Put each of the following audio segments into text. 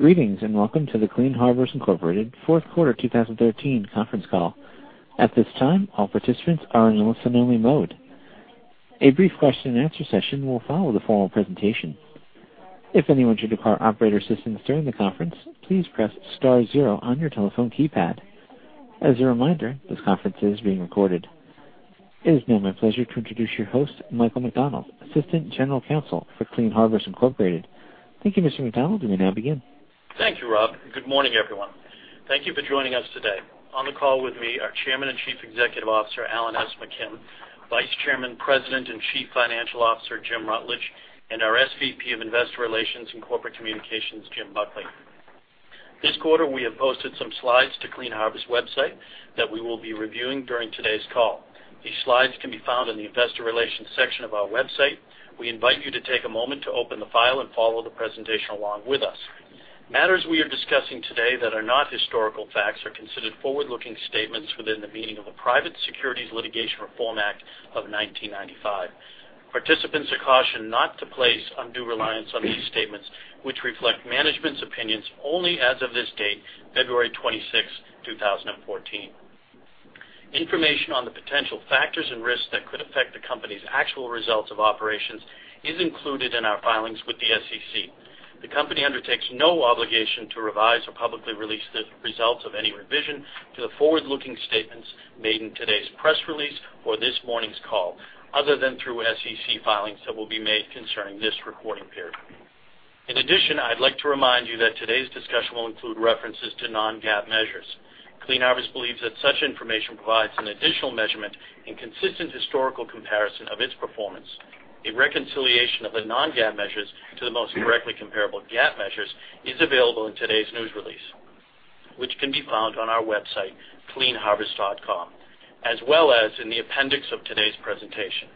Greetings and welcome to the Clean Harbors Incorporated Fourth Quarter 2013 conference call. At this time, all participants are in listen-only mode. A brief question-and-answer session will follow the formal presentation. If anyone should require operator assistance during the conference, please press star zero on your telephone keypad. As a reminder, this conference is being recorded. It is now my pleasure to introduce your host, Michael McDonald, Assistant General Counsel for Clean Harbors Incorporated. Thank you, Mr. McDonald. We may now begin. Thank you, Rob. Good morning, everyone. Thank you for joining us today. On the call with me are Chairman and Chief Executive Officer Alan McKim, Vice Chairman, President, and Chief Financial Officer James Rutledge, and our SVP of Investor Relations and Corporate Communications, James Buckley. This quarter, we have posted some slides to Clean Harbors website that we will be reviewing during today's call. These slides can be found in the Investor Relations section of our website. We invite you to take a moment to open the file and follow the presentation along with us. Matters we are discussing today that are not historical facts are considered forward-looking statements within the meaning of the Private Securities Litigation Reform Act of 1995. Participants are cautioned not to place undue reliance on these statements, which reflect management's opinions only as of this date, February 26, 2014. Information on the potential factors and risks that could affect the company's actual results of operations is included in our filings with the SEC. The company undertakes no obligation to revise or publicly release the results of any revision to the forward-looking statements made in today's press release or this morning's call, other than through SEC filings that will be made concerning this recording period. In addition, I'd like to remind you that today's discussion will include references to non-GAAP measures. Clean Harbors believes that such information provides an additional measurement and consistent historical comparison of its performance. A reconciliation of the non-GAAP measures to the most directly comparable GAAP measures is available in today's news release, which can be found on our website, cleanharbors.com, as well as in the appendix of today's presentation.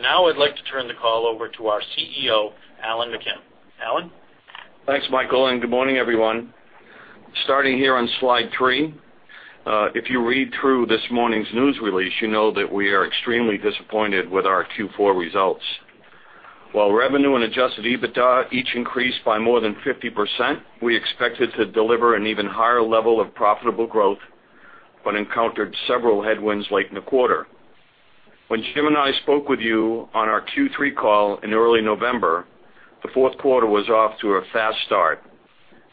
Now I'd like to turn the call over to our CEO, Alan McKim. Alan? Thanks, Michael, and good morning, everyone. Starting here on slide three, if you read through this morning's news release, you know that we are extremely disappointed with our Q4 results. While revenue and adjusted EBITDA each increased by more than 50%, we expected to deliver an even higher level of profitable growth but encountered several headwinds late in the quarter. When Jim and I spoke with you on our Q3 call in early November, the fourth quarter was off to a fast start.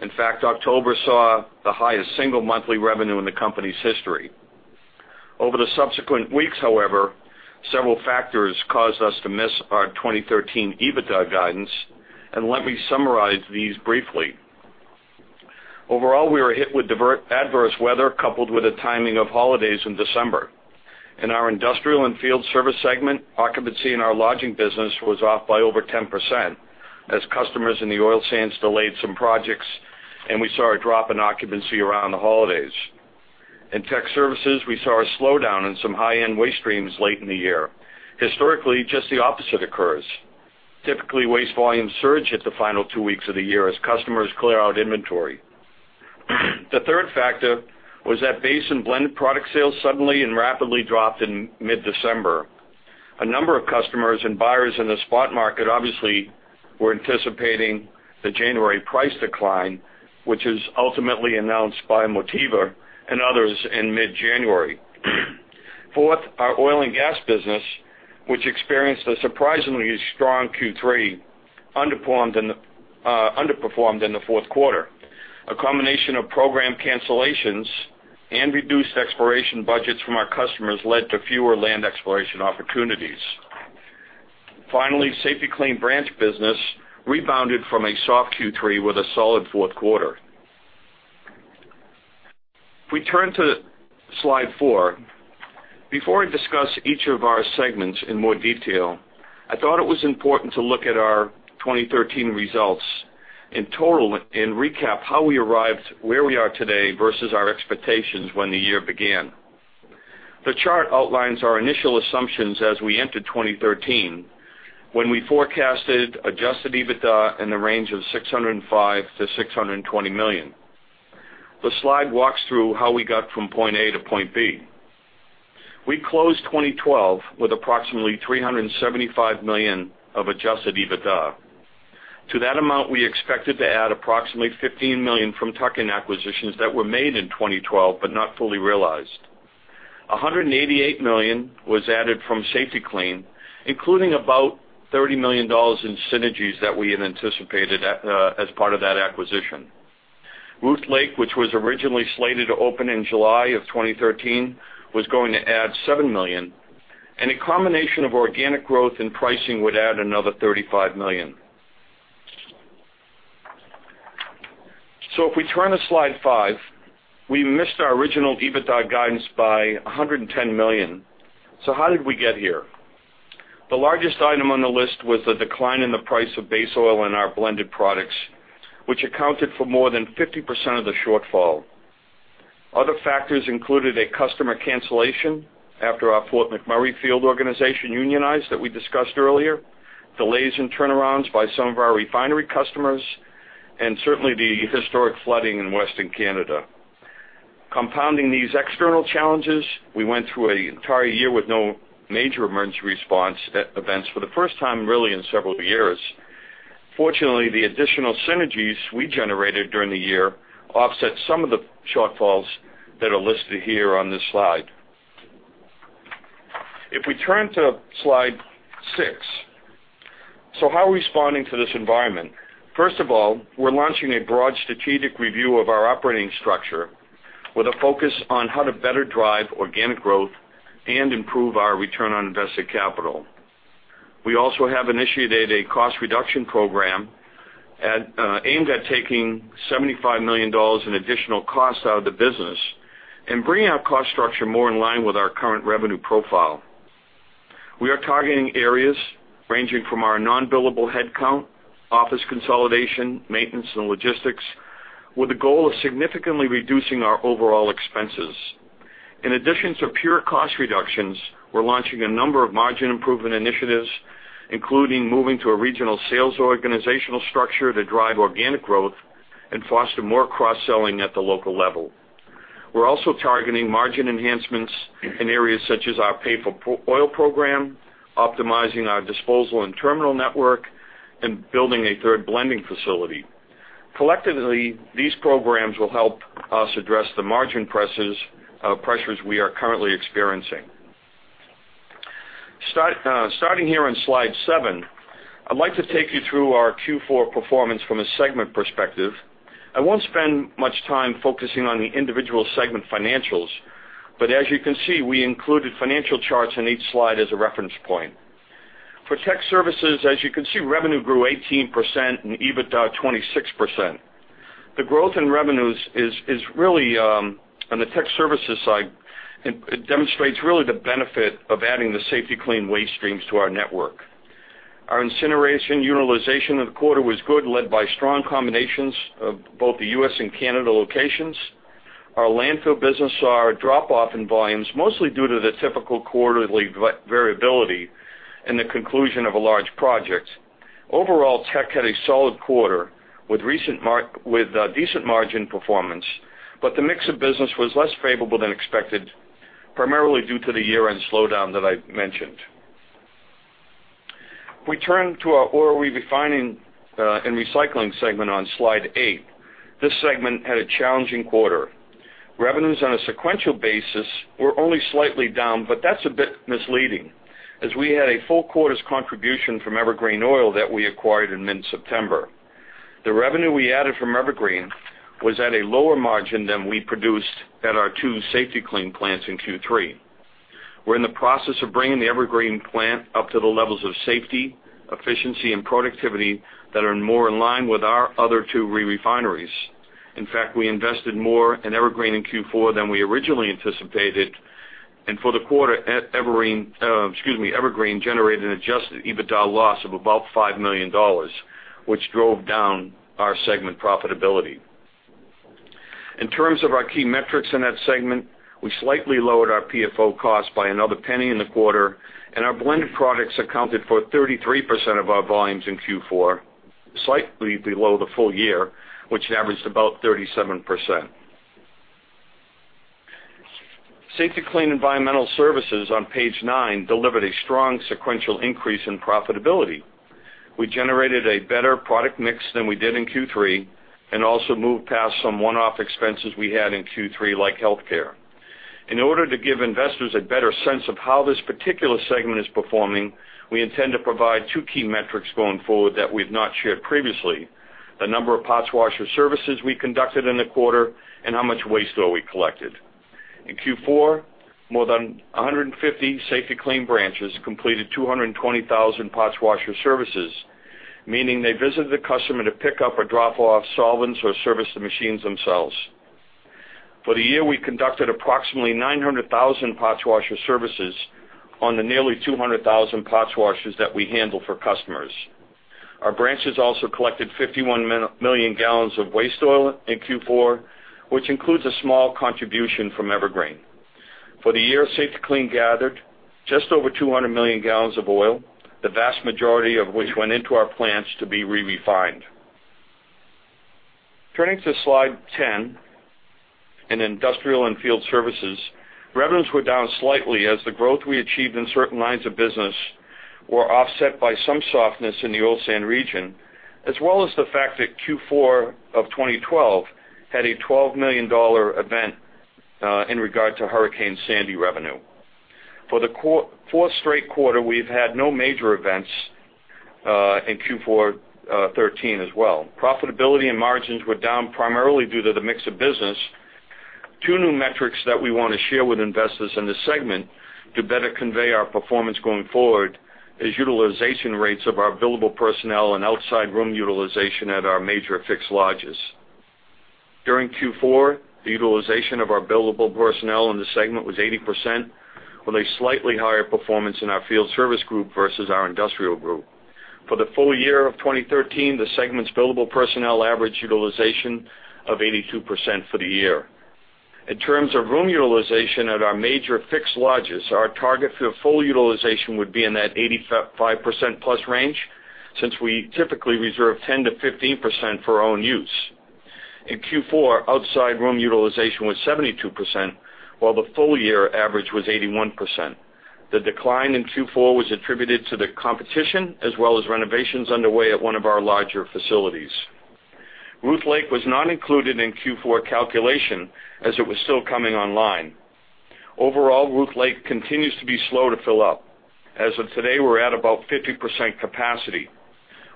In fact, October saw the highest single monthly revenue in the company's history. Over the subsequent weeks, however, several factors caused us to miss our 2013 EBITDA guidance, and let me summarize these briefly. Overall, we were hit with adverse weather coupled with the timing of holidays in December. In our industrial and field service segment, occupancy in our lodging business was off by over 10% as customers in the oil sands delayed some projects, and we saw a drop in occupancy around the holidays. In tech services, we saw a slowdown in some high-end waste streams late in the year. Historically, just the opposite occurs. Typically, waste volumes surge at the final two weeks of the year as customers clear out inventory. The third factor was that base and blended product sales suddenly and rapidly dropped in mid-December. A number of customers and buyers in the spot market obviously were anticipating the January price decline, which is ultimately announced by Motiva and others in mid-January. Fourth, our oil and gas business, which experienced a surprisingly strong Q3, underperformed in the fourth quarter. A combination of program cancellations and reduced exploration budgets from our customers led to fewer land exploration opportunities. Finally, Safety-Kleen branch business rebounded from a soft Q3 with a solid fourth quarter. We turn to slide four. Before I discuss each of our segments in more detail, I thought it was important to look at our 2013 results in total and recap how we arrived where we are today versus our expectations when the year began. The chart outlines our initial assumptions as we entered 2013 when we forecasted Adjusted EBITDA in the range of $605 million-$620 million. The slide walks through how we got from point A to point B. We closed 2012 with approximately $375 million of Adjusted EBITDA. To that amount, we expected to add approximately $15 million from tuck-in acquisitions that were made in 2012 but not fully realized. $188 million was added from Safety-Kleen, including about $30 million in synergies that we had anticipated as part of that acquisition. Ruth Lake, which was originally slated to open in July of 2013, was going to add $7 million, and a combination of organic growth and pricing would add another $35 million. So if we turn to slide five, we missed our original EBITDA guidance by $110 million. So how did we get here? The largest item on the list was the decline in the price of base oil and our blended products, which accounted for more than 50% of the shortfall. Other factors included a customer cancellation after our Fort McMurray field organization unionized that we discussed earlier, delays in turnarounds by some of our refinery customers, and certainly the historic flooding in Western Canada. Compounding these external challenges, we went through an entire year with no major emergency response events for the first time really in several years. Fortunately, the additional synergies we generated during the year offset some of the shortfalls that are listed here on this slide. If we turn to slide six, so how are we responding to this environment? First of all, we're launching a broad strategic review of our operating structure with a focus on how to better drive organic growth and improve our return on invested capital. We also have initiated a cost reduction program aimed at taking $75 million in additional cost out of the business and bringing our cost structure more in line with our current revenue profile. We are targeting areas ranging from our non-billable headcount, office consolidation, maintenance, and logistics with the goal of significantly reducing our overall expenses. In addition to pure cost reductions, we're launching a number of margin improvement initiatives, including moving to a regional sales organizational structure to drive organic growth and foster more cross-selling at the local level. We're also targeting margin enhancements in areas such as our Pay-for-Oil program, optimizing our disposal and terminal network, and building a third blending facility. Collectively, these programs will help us address the margin pressures we are currently experiencing. Starting here on slide seven, I'd like to take you through our Q4 performance from a segment perspective. I won't spend much time focusing on the individual segment financials, but as you can see, we included financial charts on each slide as a reference point. For tech services, as you can see, revenue grew 18% and EBITDA 26%. The growth in revenues is really, on the tech services side, it demonstrates really the benefit of adding the Safety-Kleen waste streams to our network. Our incineration utilization of the quarter was good, led by strong combinations of both the U.S. and Canada locations. Our landfill business saw a drop-off in volumes, mostly due to the typical quarterly variability and the conclusion of a large project. Overall, tech had a solid quarter with decent margin performance, but the mix of business was less favorable than expected, primarily due to the year-end slowdown that I mentioned. We turn to our oil re-refining and recycling segment on slide eight. This segment had a challenging quarter. Revenues on a sequential basis were only slightly down, but that's a bit misleading as we had a full quarter's contribution from Evergreen Oil that we acquired in mid-September. The revenue we added from Evergreen was at a lower margin than we produced at our two Safety-Kleen plants in Q3. We're in the process of bringing the Evergreen plant up to the levels of safety, efficiency, and productivity that are more in line with our other two re-refineries. In fact, we invested more in Evergreen in Q4 than we originally anticipated, and for the quarter, Evergreen generated an adjusted EBITDA loss of about $5 million, which drove down our segment profitability. In terms of our key metrics in that segment, we slightly lowered our PFO cost by another penny in the quarter, and our blended products accounted for 33% of our volumes in Q4, slightly below the full year, which averaged about 37%. Safety-Kleen Environmental Services on page nine delivered a strong sequential increase in profitability. We generated a better product mix than we did in Q3 and also moved past some one-off expenses we had in Q3, like healthcare. In order to give investors a better sense of how this particular segment is performing, we intend to provide two key metrics going forward that we've not shared previously: the number of parts washer services we conducted in the quarter and how much waste oil we collected. In Q4, more than 150 Safety-Kleen branches completed 220,000 parts washer services, meaning they visited the customer to pick up or drop off solvents or service the machines themselves. For the year, we conducted approximately 900,000 parts washer services on the nearly 200,000 parts washers that we handle for customers. Our branches also collected 51 million gallons of waste oil in Q4, which includes a small contribution from Evergreen. For the year, Safety-Kleen gathered just over 200 million gallons of oil, the vast majority of which went into our plants to be re-refined. Turning to slide 10 in industrial and field services, revenues were down slightly as the growth we achieved in certain lines of business was offset by some softness in the oil sands region, as well as the fact that Q4 of 2012 had a $12 million event in regard to Hurricane Sandy revenue. For the fourth straight quarter, we've had no major events in Q4 2013 as well. Profitability and margins were down primarily due to the mix of business. Two new metrics that we want to share with investors in this segment to better convey our performance going forward are utilization rates of our billable personnel and outside room utilization at our major fixed lodges. During Q4, the utilization of our billable personnel in the segment was 80%, with a slightly higher performance in our field service group versus our industrial group. For the full year of 2013, the segment's billable personnel averaged utilization of 82% for the year. In terms of room utilization at our major fixed lodges, our target for full utilization would be in that 85%+ range since we typically reserve 10%-15% for our own use. In Q4, outside room utilization was 72%, while the full year average was 81%. The decline in Q4 was attributed to the competition as well as renovations underway at one of our larger facilities. Ruth Lake was not included in Q4 calculation as it was still coming online. Overall, Ruth Lake continues to be slow to fill up. As of today, we're at about 50% capacity.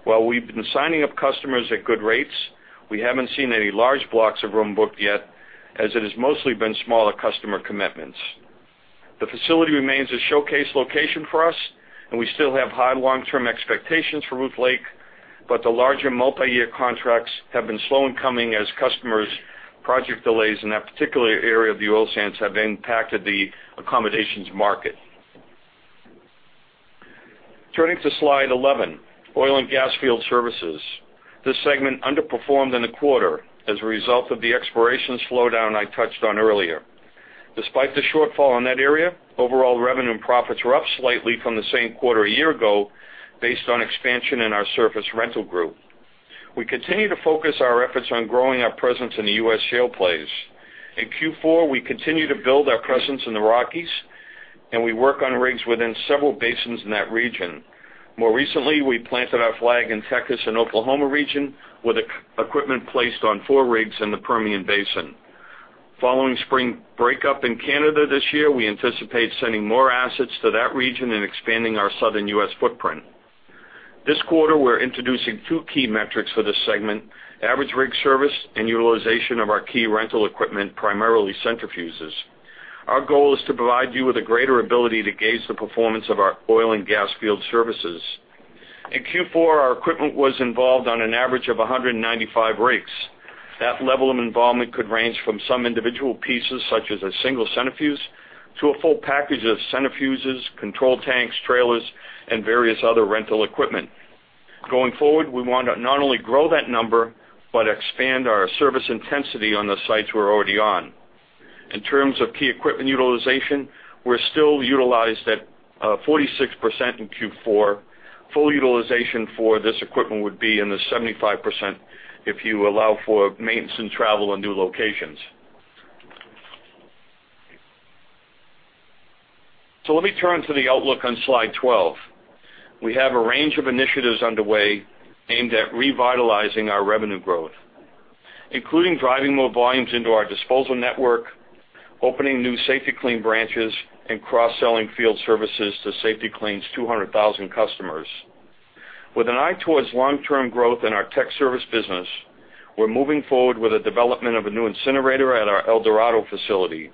While we've been signing up customers at good rates, we haven't seen any large blocks of room booked yet as it has mostly been smaller customer commitments. The facility remains a showcase location for us, and we still have high long-term expectations for Ruth Lake, but the larger multi-year contracts have been slow in coming as customers' project delays in that particular area of the oil sands have impacted the accommodations market. Turning to slide 11, oil and gas field services. This segment underperformed in the quarter as a result of the exploration slowdown I touched on earlier. Despite the shortfall in that area, overall revenue and profits were up slightly from the same quarter a year ago based on expansion in our surface rental group. We continue to focus our efforts on growing our presence in the U.S. shale plays. In Q4, we continue to build our presence in the Rockies, and we work on rigs within several basins in that region. More recently, we planted our flag in Texas and Oklahoma region with equipment placed on 4 rigs in the Permian Basin. Following spring breakup in Canada this year, we anticipate sending more assets to that region and expanding our southern U.S. footprint. This quarter, we're introducing two key metrics for this segment: average rig service and utilization of our key rental equipment, primarily centrifuges. Our goal is to provide you with a greater ability to gauge the performance of our oil and gas field services. In Q4, our equipment was involved on an average of 195 rigs. That level of involvement could range from some individual pieces, such as a single centrifuge, to a full package of centrifuges, control tanks, trailers, and various other rental equipment. Going forward, we want to not only grow that number but expand our service intensity on the sites we're already on. In terms of key equipment utilization, we're still utilized at 46% in Q4. Full utilization for this equipment would be in the 75% if you allow for maintenance and travel in new locations. So let me turn to the outlook on slide 12. We have a range of initiatives underway aimed at revitalizing our revenue growth, including driving more volumes into our disposal network, opening new Safety-Kleen branches, and cross-selling field services to Safety-Kleen's 200,000 customers. With an eye towards long-term growth in our tech service business, we're moving forward with the development of a new incinerator at our El Dorado facility.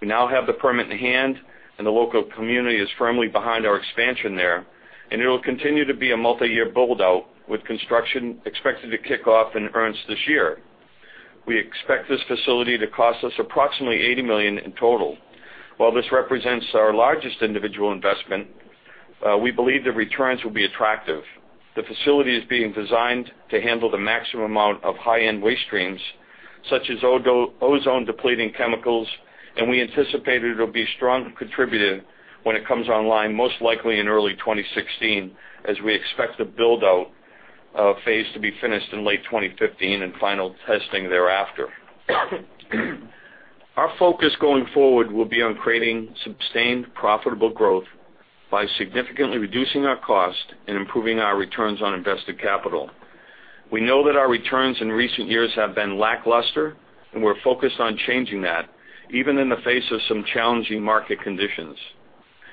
We now have the permit in hand, and the local community is firmly behind our expansion there, and it'll continue to be a multi-year build-out with construction expected to kick off in earnest this year. We expect this facility to cost us approximately $80 million in total. While this represents our largest individual investment, we believe the returns will be attractive. The facility is being designed to handle the maximum amount of high-end waste streams, such as ozone-depleting chemicals, and we anticipate it'll be strongly contributed when it comes online, most likely in early 2016, as we expect the build-out phase to be finished in late 2015 and final testing thereafter. Our focus going forward will be on creating sustained profitable growth by significantly reducing our cost and improving our returns on invested capital. We know that our returns in recent years have been lackluster, and we're focused on changing that even in the face of some challenging market conditions.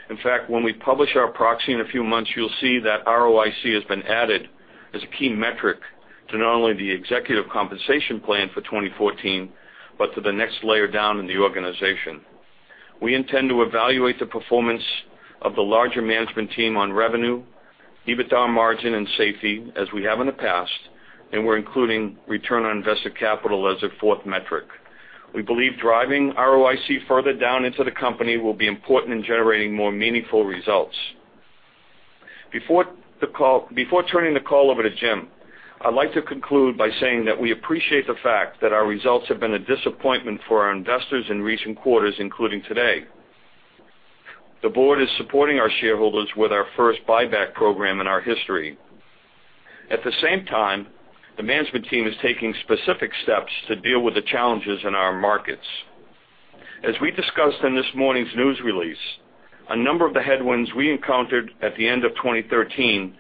In fact, when we publish our proxy in a few months, you'll see that ROIC has been added as a key metric to not only the executive compensation plan for 2014 but to the next layer down in the organization. We intend to evaluate the performance of the larger management team on revenue, EBITDA margin, and safety as we have in the past, and we're including return on invested capital as a fourth metric. We believe driving ROIC further down into the company will be important in generating more meaningful results. Before turning the call over to Jim, I'd like to conclude by saying that we appreciate the fact that our results have been a disappointment for our investors in recent quarters, including today. The board is supporting our shareholders with our first buyback program in our history. At the same time, the management team is taking specific steps to deal with the challenges in our markets. As we discussed in this morning's news release, a number of the headwinds we encountered at the end of 2013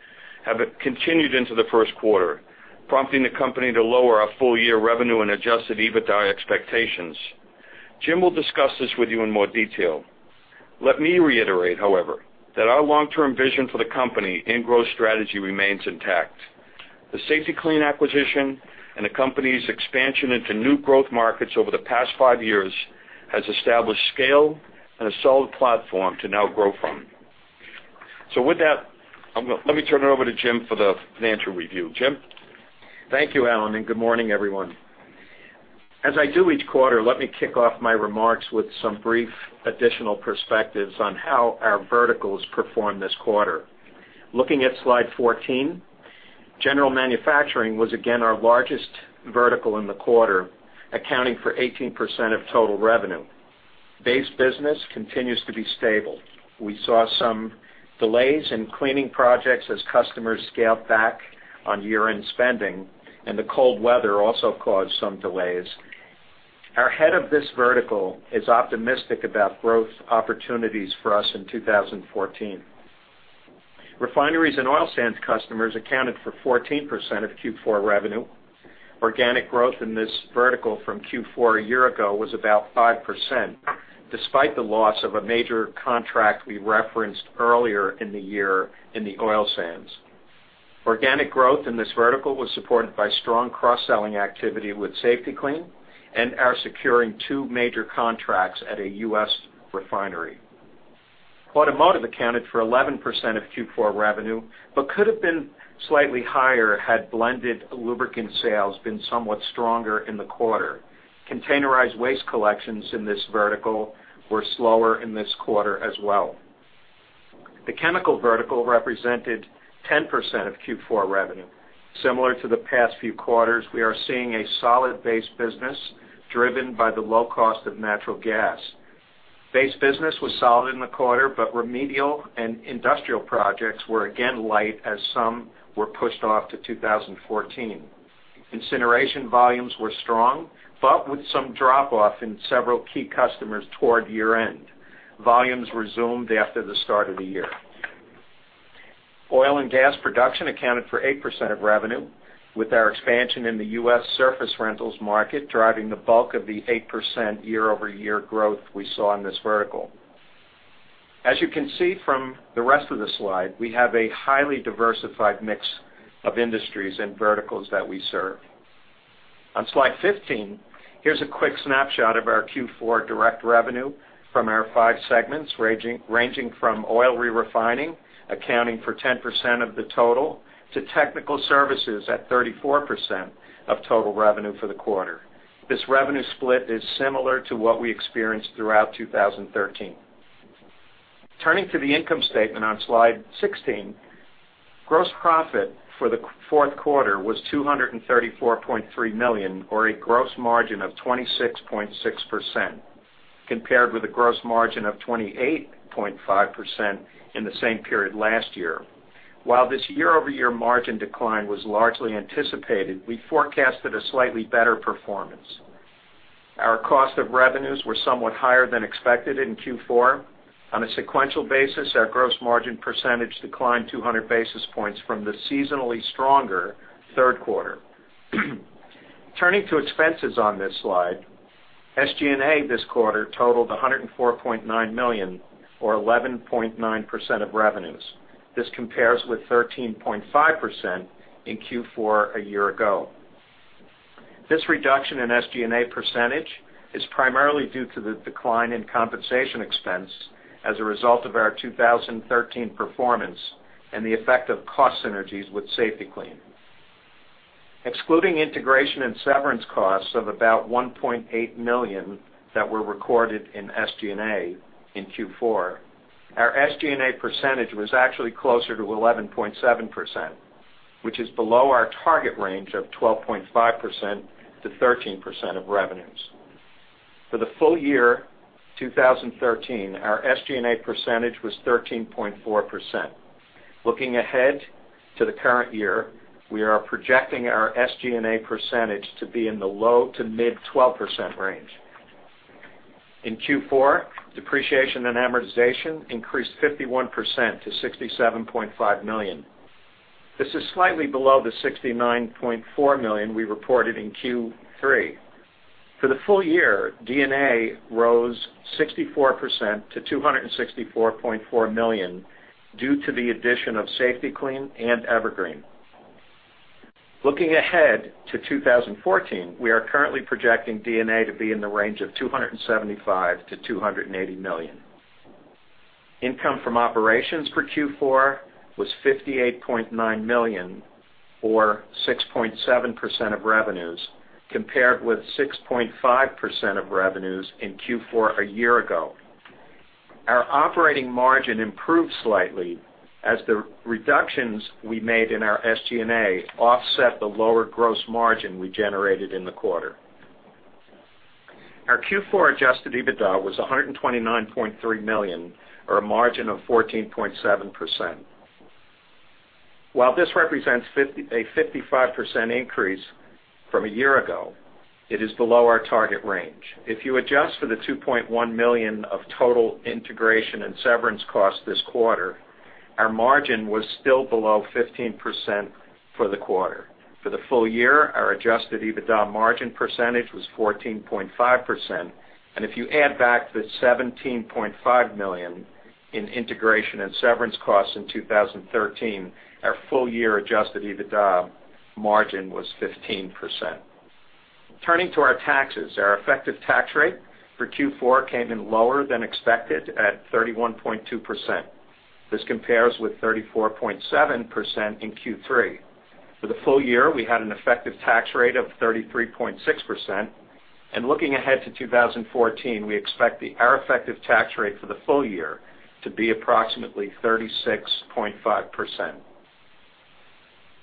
have continued into the first quarter, prompting the company to lower our full-year revenue and Adjusted EBITDA expectations. Jim will discuss this with you in more detail. Let me reiterate, however, that our long-term vision for the company and growth strategy remains intact. The Safety-Kleen acquisition and the company's expansion into new growth markets over the past five years has established scale and a solid platform to now grow from. So with that, let me turn it over to Jim for the financial review. Jim? Thank you, Alan, and good morning, everyone. As I do each quarter, let me kick off my remarks with some brief additional perspectives on how our verticals performed this quarter. Looking at slide 14, general manufacturing was again our largest vertical in the quarter, accounting for 18% of total revenue. Base business continues to be stable. We saw some delays in cleaning projects as customers scaled back on year-end spending, and the cold weather also caused some delays. Our head of this vertical is optimistic about growth opportunities for us in 2014. Refineries and oil sands customers accounted for 14% of Q4 revenue. Organic growth in this vertical from Q4 a year ago was about 5%, despite the loss of a major contract we referenced earlier in the year in the oil sands. Organic growth in this vertical was supported by strong cross-selling activity with Safety-Kleen and our securing two major contracts at a U.S. refinery. Automotive accounted for 11% of Q4 revenue but could have been slightly higher had blended lubricant sales been somewhat stronger in the quarter. Containerized waste collections in this vertical were slower in this quarter as well. The chemical vertical represented 10% of Q4 revenue. Similar to the past few quarters, we are seeing a solid base business driven by the low cost of natural gas. Base business was solid in the quarter, but remedial and industrial projects were again light as some were pushed off to 2014. Incineration volumes were strong but with some drop-off in several key customers toward year-end. Volumes resumed after the start of the year. Oil and gas production accounted for 8% of revenue, with our expansion in the U.S. surface rentals market driving the bulk of the 8% year-over-year growth we saw in this vertical. As you can see from the rest of the slide, we have a highly diversified mix of industries and verticals that we serve. On slide 15, here's a quick snapshot of our Q4 direct revenue from our five segments, ranging from oil re-refining, accounting for 10% of the total, to technical services at 34% of total revenue for the quarter. This revenue split is similar to what we experienced throughout 2013. Turning to the income statement on slide 16, gross profit for the fourth quarter was $234.3 million, or a gross margin of 26.6%, compared with a gross margin of 28.5% in the same period last year. While this year-over-year margin decline was largely anticipated, we forecasted a slightly better performance. Our cost of revenues were somewhat higher than expected in Q4. On a sequential basis, our gross margin percentage declined 200 basis points from the seasonally stronger third quarter. Turning to expenses on this slide, SG&A this quarter totaled $104.9 million, or 11.9% of revenues. This compares with 13.5% in Q4 a year ago. This reduction in SG&A percentage is primarily due to the decline in compensation expense as a result of our 2013 performance and the effect of cost synergies with Safety-Kleen. Excluding integration and severance costs of about $1.8 million that were recorded in SG&A in Q4, our SG&A percentage was actually closer to 11.7%, which is below our target range of 12.5%-13% of revenues. For the full year 2013, our SG&A percentage was 13.4%. Looking ahead to the current year, we are projecting our SG&A percentage to be in the low to mid 12% range. In Q4, depreciation and amortization increased 51% to $67.5 million. This is slightly below the $69.4 million we reported in Q3. For the full year, EBITDA rose 64% to $264.4 million due to the addition of Safety-Kleen and Evergreen. Looking ahead to 2014, we are currently projecting EBITDA to be in the range of $275 million-$280 million. Income from operations for Q4 was $58.9 million, or 6.7% of revenues, compared with 6.5% of revenues in Q4 a year ago. Our operating margin improved slightly as the reductions we made in our SG&A offset the lower gross margin we generated in the quarter. Our Q4 Adjusted EBITDA was $129.3 million, or a margin of 14.7%. While this represents a 55% increase from a year ago, it is below our target range. If you adjust for the $2.1 million of total integration and severance costs this quarter, our margin was still below 15% for the quarter. For the full year, our Adjusted EBITDA margin percentage was 14.5%, and if you add back the $17.5 million in integration and severance costs in 2013, our full-year Adjusted EBITDA margin was 15%. Turning to our taxes, our effective tax rate for Q4 came in lower than expected at 31.2%. This compares with 34.7% in Q3. For the full year, we had an effective tax rate of 33.6%, and looking ahead to 2014, we expect our effective tax rate for the full year to be approximately 36.5%.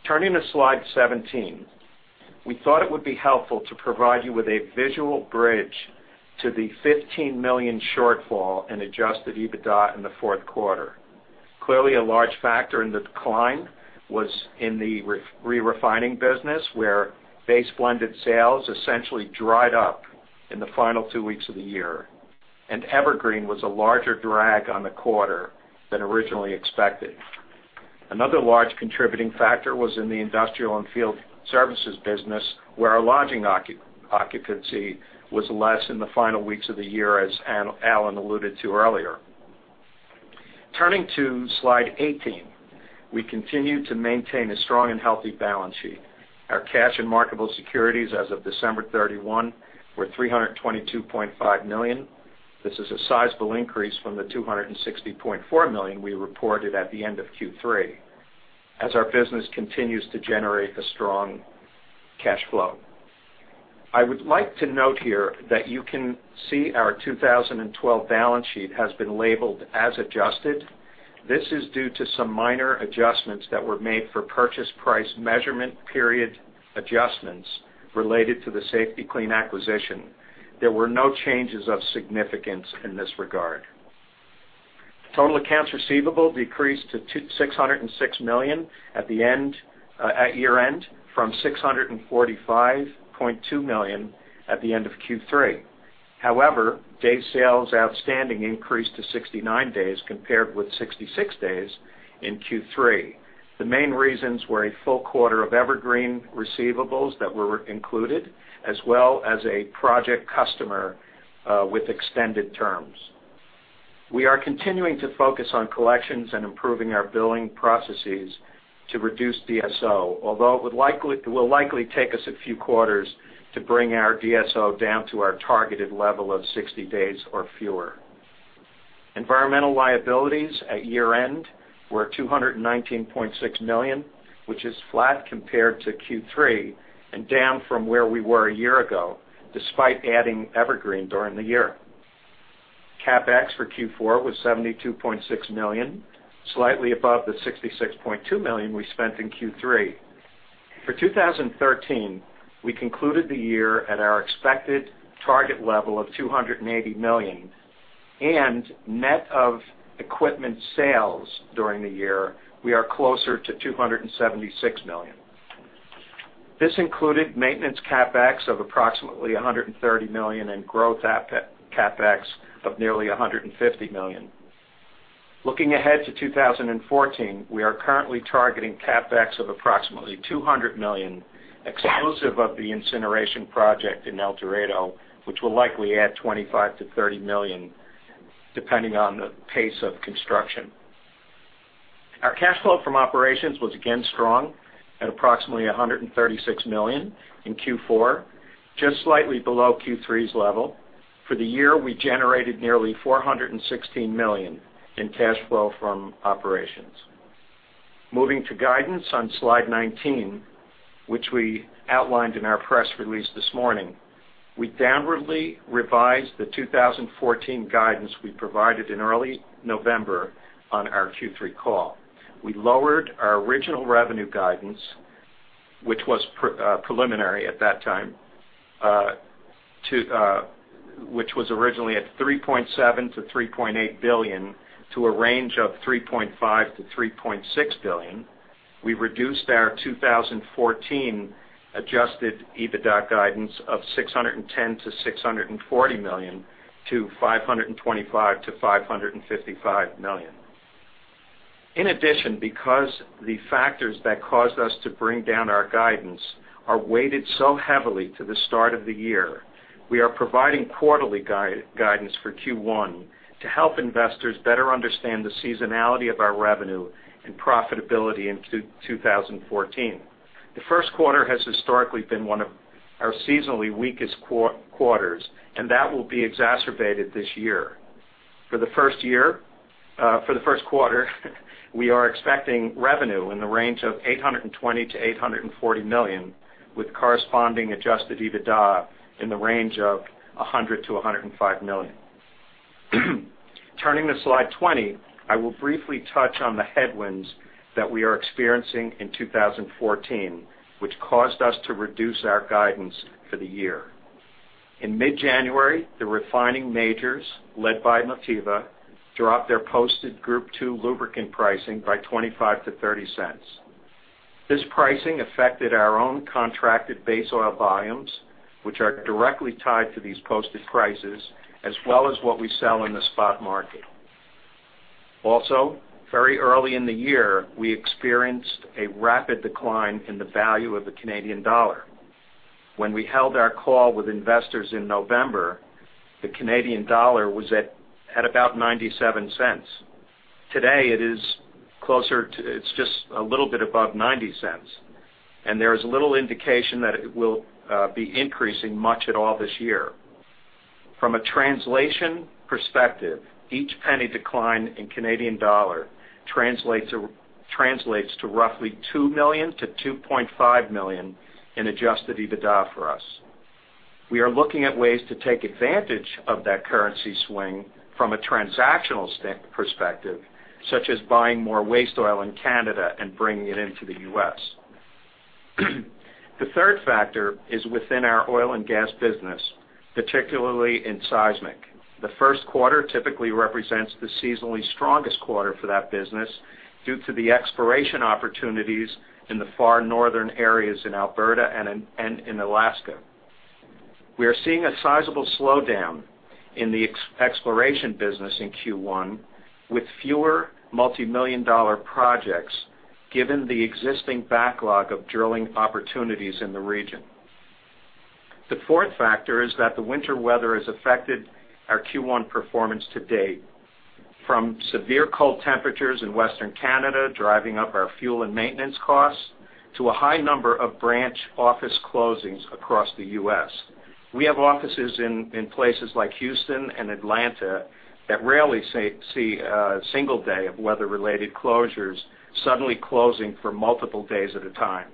Turning to slide 17, we thought it would be helpful to provide you with a visual bridge to the $15 million shortfall in Adjusted EBITDA in the fourth quarter. Clearly, a large factor in the decline was in the re-refining business, where base blended sales essentially dried up in the final two weeks of the year, and Evergreen was a larger drag on the quarter than originally expected. Another large contributing factor was in the industrial and field services business, where our lodging occupancy was less in the final weeks of the year, as Alan alluded to earlier. Turning to slide 18, we continue to maintain a strong and healthy balance sheet. Our cash and marketable securities as of December 31 were $322.5 million. This is a sizable increase from the $260.4 million we reported at the end of Q3, as our business continues to generate a strong cash flow. I would like to note here that you can see our 2012 balance sheet has been labeled as adjusted. This is due to some minor adjustments that were made for purchase price measurement period adjustments related to the Safety-Kleen acquisition. There were no changes of significance in this regard. Total accounts receivable decreased to $606 million at year-end from $645.2 million at the end of Q3. However, days sales outstanding increased to 69 days compared with 66 days in Q3. The main reasons were a full quarter of Evergreen receivables that were included, as well as a project customer with extended terms. We are continuing to focus on collections and improving our billing processes to reduce DSO, although it will likely take us a few quarters to bring our DSO down to our targeted level of 60 days or fewer. Environmental liabilities at year-end were $219.6 million, which is flat compared to Q3 and down from where we were a year ago, despite adding Evergreen during the year. CapEx for Q4 was $72.6 million, slightly above the $66.2 million we spent in Q3. For 2013, we concluded the year at our expected target level of $280 million, and net of equipment sales during the year, we are closer to $276 million. This included maintenance CapEx of approximately $130 million and growth CapEx of nearly $150 million. Looking ahead to 2014, we are currently targeting CapEx of approximately $200 million, exclusive of the incineration project in El Dorado, which will likely add $25 million-$30 million, depending on the pace of construction. Our cash flow from operations was again strong at approximately $136 million in Q4, just slightly below Q3's level. For the year, we generated nearly $416 million in cash flow from operations. Moving to guidance on slide 19, which we outlined in our press release this morning, we downwardly revised the 2014 guidance we provided in early November on our Q3 call. We lowered our original revenue guidance, which was preliminary at that time, which was originally at $3.7 billion-$3.8 billion to a range of $3.5 billion-$3.6 billion. We reduced our 2014 Adjusted EBITDA guidance of $610 million-$640 million to $525 million-$555 million. In addition, because the factors that caused us to bring down our guidance are weighted so heavily to the start of the year, we are providing quarterly guidance for Q1 to help investors better understand the seasonality of our revenue and profitability in 2014. The first quarter has historically been one of our seasonally weakest quarters, and that will be exacerbated this year. For the first quarter, we are expecting revenue in the range of $820 million-$840 million, with corresponding Adjusted EBITDA in the range of $100 million-$105 million. Turning to slide 20, I will briefly touch on the headwinds that we are experiencing in 2014, which caused us to reduce our guidance for the year. In mid-January, the refining majors led by Motiva dropped their posted Group II lubricant pricing by $0.25-$0.30. This pricing affected our own contracted base oil volumes, which are directly tied to these posted prices, as well as what we sell in the spot market. Also, very early in the year, we experienced a rapid decline in the value of the Canadian dollar. When we held our call with investors in November, the Canadian dollar was at about $0.97. Today, it is closer to, it's just a little bit above $0.90, and there is little indication that it will be increasing much at all this year. From a translation perspective, each penny decline in Canadian dollar translates to roughly $2 million-$2.5 million in Adjusted EBITDA for us. We are looking at ways to take advantage of that currency swing from a transactional perspective, such as buying more waste oil in Canada and bringing it into the U.S. The third factor is within our oil and gas business, particularly in seismic. The first quarter typically represents the seasonally strongest quarter for that business due to the exploration opportunities in the far northern areas in Alberta and in Alaska. We are seeing a sizable slowdown in the exploration business in Q1, with fewer multi-million dollar projects given the existing backlog of drilling opportunities in the region. The fourth factor is that the winter weather has affected our Q1 performance to date, from severe cold temperatures in western Canada driving up our fuel and maintenance costs to a high number of branch office closings across the U.S. We have offices in places like Houston and Atlanta that rarely see a single day of weather-related closures suddenly closing for multiple days at a time.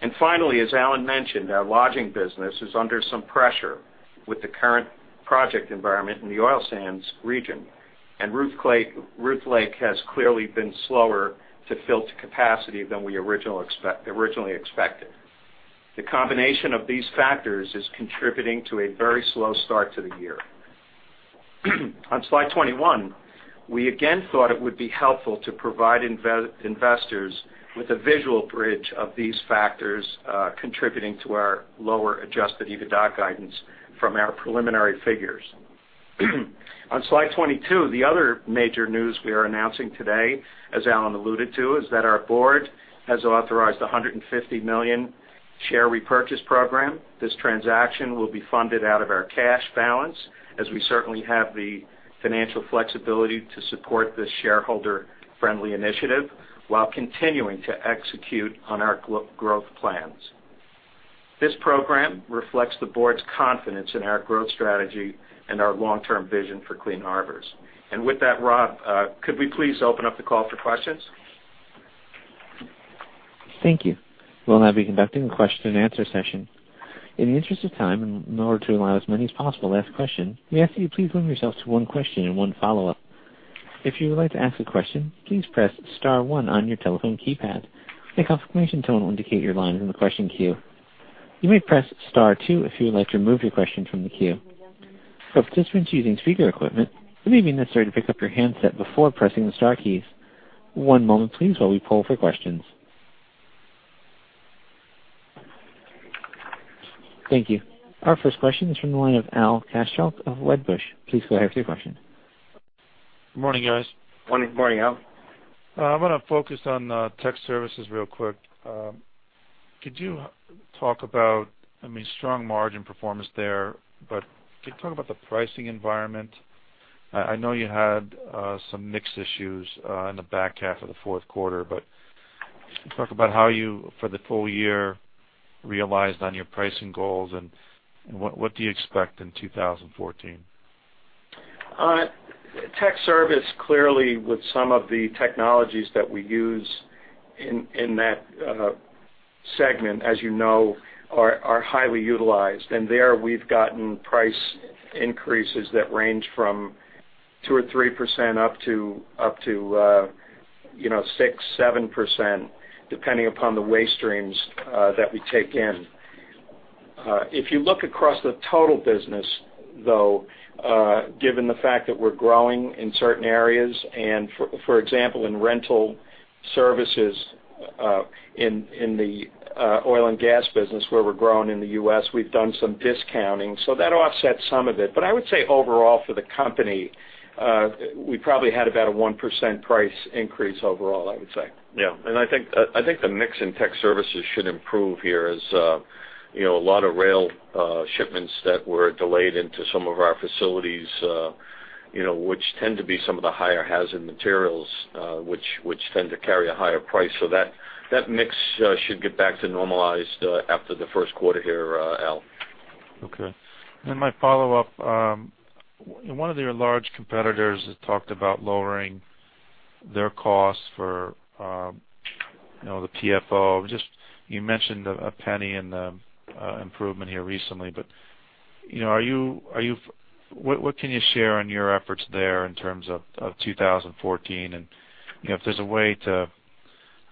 And finally, as Alan mentioned, our lodging business is under some pressure with the current project environment in the oil sands region, and Ruth Lake has clearly been slower to fill to capacity than we originally expected. The combination of these factors is contributing to a very slow start to the year. On slide 21, we again thought it would be helpful to provide investors with a visual bridge of these factors contributing to our lower Adjusted EBITDA guidance from our preliminary figures. On slide 22, the other major news we are announcing today, as Alan alluded to, is that our board has authorized a 150 million share repurchase program. This transaction will be funded out of our cash balance, as we certainly have the financial flexibility to support this shareholder-friendly initiative while continuing to execute on our growth plans. This program reflects the board's confidence in our growth strategy and our long-term vision for Clean Harbors. And with that, Rob, could we please open up the call for questions? Thank you. We'll now be conducting a question-and-answer session. In the interest of time, in order to allow as many as possible to ask questions, we ask that you please limit yourself to one question and one follow-up. If you would like to ask a question, please press star one on your telephone keypad. A confirmation tone will indicate your line is in the question queue. You may press star two if you would like to remove your question from the queue. For participants using speaker equipment, it may be necessary to pick up your handset before pressing the star keys. One moment, please, while we pull for questions. Thank you. Our first question is from the line of Al Kaschalk of Wedbush. Please go ahead with your question. Good morning, guys. Morning. Morning, Al. I want to focus on tech services real quick. Could you talk about—I mean, strong margin performance there, but could you talk about the pricing environment? I know you had some mixed issues in the back half of the fourth quarter, but talk about how you, for the full year, realized on your pricing goals and what do you expect in 2014. Technical services, clearly, with some of the technologies that we use in that segment, as you know, are highly utilized. And there, we've gotten price increases that range from 2 or 3% up to 6, 7%, depending upon the waste streams that we take in. If you look across the total business, though, given the fact that we're growing in certain areas, and for example, in rental services in the oil and gas business, where we're growing in the U.S., we've done some discounting, so that offsets some of it. But I would say overall, for the company, we probably had about a 1% price increase overall, I would say. Yeah. And I think the mix in tech services should improve here as a lot of rail shipments that were delayed into some of our facilities, which tend to be some of the higher hazard materials, which tend to carry a higher price. So that mix should get back to normalized after the first quarter here, Al. Okay. And then my follow-up, one of your large competitors has talked about lowering their costs for the PFO. You mentioned a penny in the improvement here recently, but what can you share on your efforts there in terms of 2014? And if there's a way to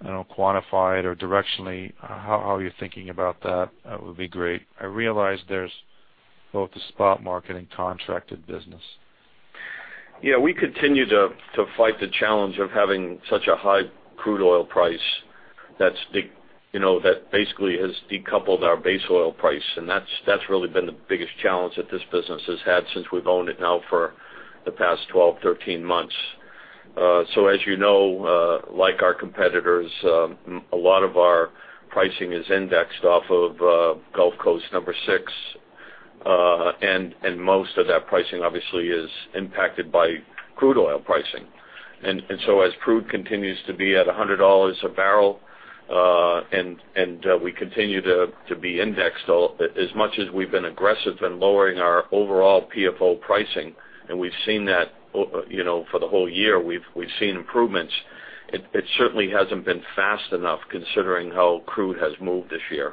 quantify it or directionally, how are you thinking about that? That would be great. I realize there's both the spot market and contracted business. Yeah. We continue to fight the challenge of having such a high crude oil price that basically has decoupled our base oil price. And that's really been the biggest challenge that this business has had since we've owned it now for the past 12, 13 months. So as you know, like our competitors, a lot of our pricing is indexed off of Gulf Coast number six, and most of that pricing, obviously, is impacted by crude oil pricing. And so as crude continues to be at $100 a barrel and we continue to be indexed, as much as we've been aggressive in lowering our overall PFO pricing, and we've seen that for the whole year, we've seen improvements, it certainly hasn't been fast enough considering how crude has moved this year.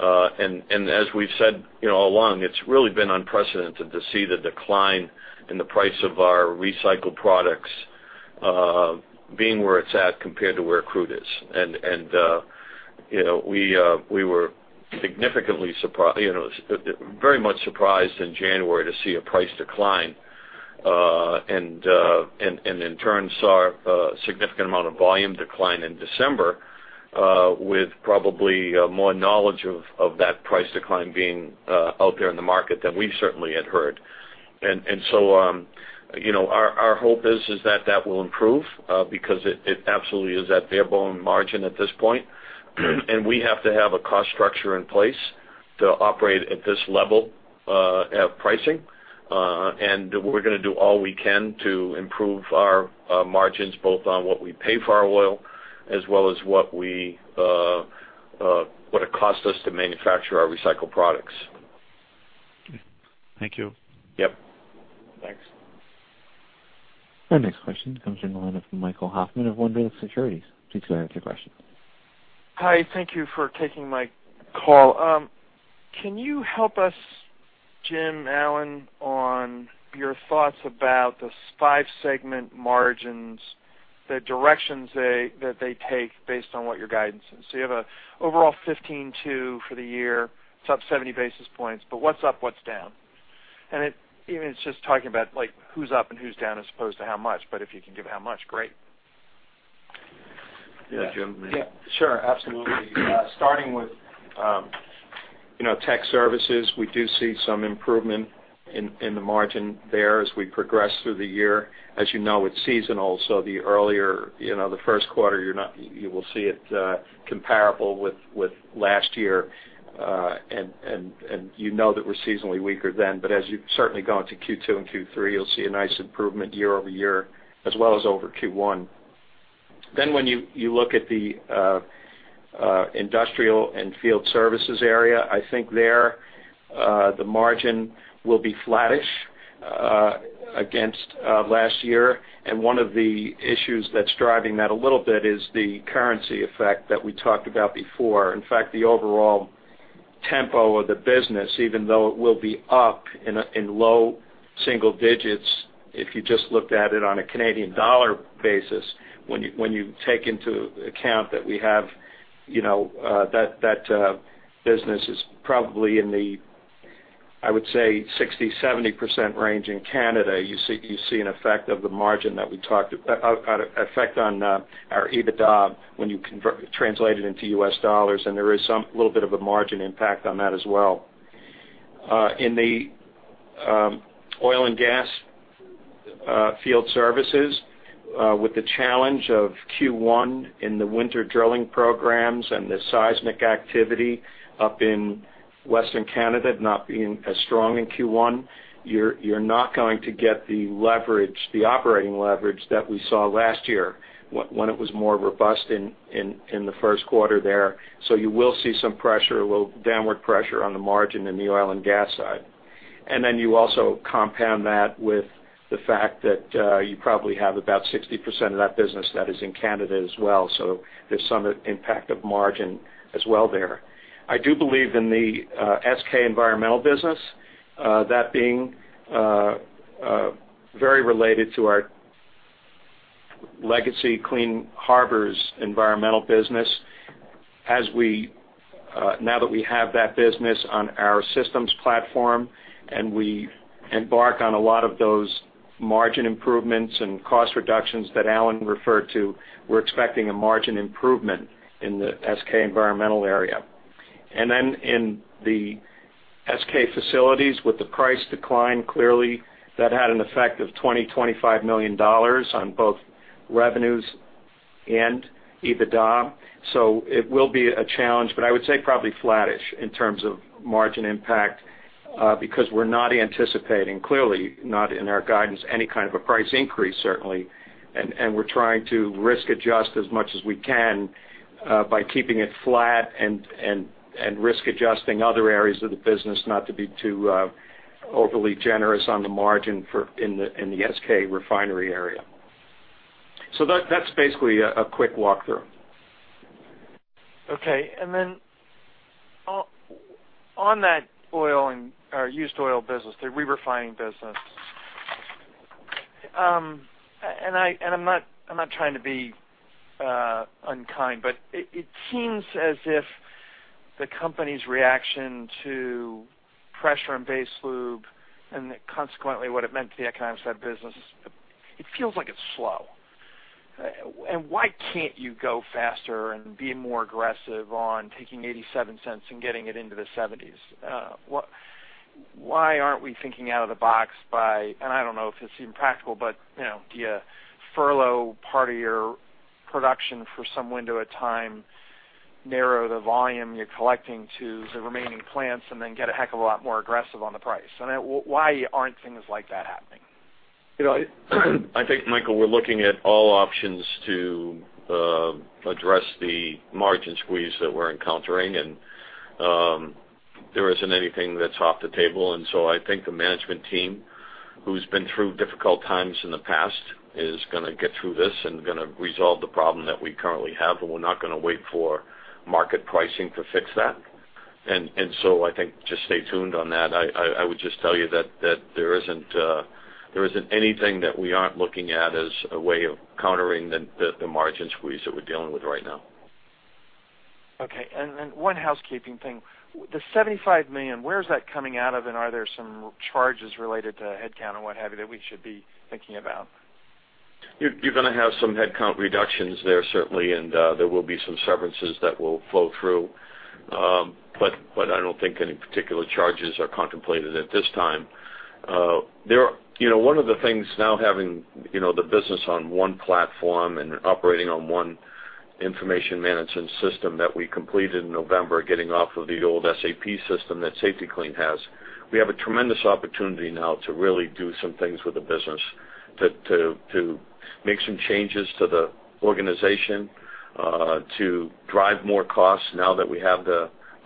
And as we've said all along, it's really been unprecedented to see the decline in the price of our recycled products being where it's at compared to where crude is. And we were very much surprised in January to see a price decline and, in turn, saw a significant amount of volume decline in December, with probably more knowledge of that price decline being out there in the market than we certainly had heard. And so our hope is that that will improve because it absolutely is at bare bone margin at this point. And we have to have a cost structure in place to operate at this level of pricing, and we're going to do all we can to improve our margins both on what we pay for our oil as well as what it costs us to manufacture our recycled products. Thank you. Yep. Thanks. Our next question comes from the line of Michael Hoffman of Wunderlich Securities. Please go ahead with your question. Hi. Thank you for taking my call. Can you help us, Jim, Alan, on your thoughts about the five-segment margins, the directions that they take based on what your guidance is? So you have an overall 15.2% for the year. It's up 70 basis points, but what's up, what's down? And even it's just talking about who's up and who's down as opposed to how much, but if you can give how much, great. Yeah. Jim. Yeah. Sure. Absolutely. Starting with tech services, we do see some improvement in the margin there as we progress through the year. As you know, it's seasonal, so the earlier, the first quarter, you will see it comparable with last year, and you know that we're seasonally weaker then. But as you've certainly gone to Q2 and Q3, you'll see a nice improvement year-over-year as well as over Q1. Then when you look at the industrial and field services area, I think there the margin will be flattish against last year. And one of the issues that's driving that a little bit is the currency effect that we talked about before. In fact, the overall tempo of the business, even though it will be up in low single digits, if you just looked at it on a Canadian dollar basis, when you take into account that we have that business is probably in the, I would say, 60%-70% range in Canada, you see an effect of the margin that we talked about, an effect on our EBITDA when you translate it into US dollars, and there is a little bit of a margin impact on that as well. In the oil and gas field services, with the challenge of Q1 in the winter drilling programs and the seismic activity up in Western Canada not being as strong in Q1, you're not going to get the operating leverage that we saw last year when it was more robust in the first quarter there. So you will see some pressure, a little downward pressure on the margin in the oil and gas side. And then you also compound that with the fact that you probably have about 60% of that business that is in Canada as well. So there's some impact of margin as well there. I do believe in the SK Environmental business, that being very related to our legacy Clean Harbors Environmental business. Now that we have that business on our systems platform and we embark on a lot of those margin improvements and cost reductions that Alan referred to, we're expecting a margin improvement in the SK Environmental area. Then in the SK facilities, with the price decline clearly, that had an effect of $20 million-$25 million on both revenues and EBITDA. It will be a challenge, but I would say probably flattish in terms of margin impact because we're not anticipating, clearly not in our guidance, any kind of a price increase, certainly. We're trying to risk adjust as much as we can by keeping it flat and risk adjusting other areas of the business not to be too overly generous on the margin in the SK refinery area. So that's basically a quick walkthrough. Okay. And then on that oil and our used oil business, the re-refining business, and I'm not trying to be unkind, but it seems as if the company's reaction to pressure in base oil and consequently what it meant to the economics of that business, it feels like it's slow. And why can't you go faster and be more aggressive on taking $0.87 and getting it into the $0.70s? Why aren't we thinking out of the box by, and I don't know if it's even practical, but do you furlough part of your production for some window of time, narrow the volume you're collecting to the remaining plants, and then get a heck of a lot more aggressive on the price? I mean, why aren't things like that happening? I think, Michael, we're looking at all options to address the margin squeeze that we're encountering, and there isn't anything that's off the table. And so I think the management team, who's been through difficult times in the past, is going to get through this and going to resolve the problem that we currently have, and we're not going to wait for market pricing to fix that. And so I think just stay tuned on that. I would just tell you that there isn't anything that we aren't looking at as a way of countering the margin squeeze that we're dealing with right now. Okay. And then one housekeeping thing. The $75 million, where is that coming out of, and are there some charges related to headcount or what have you that we should be thinking about? You're going to have some headcount reductions there, certainly, and there will be some severances that will flow through, but I don't think any particular charges are contemplated at this time. One of the things now, having the business on one platform and operating on one information management system that we completed in November, getting off of the old SAP system that Safety-Kleen has, we have a tremendous opportunity now to really do some things with the business, to make some changes to the organization, to drive more costs now that we have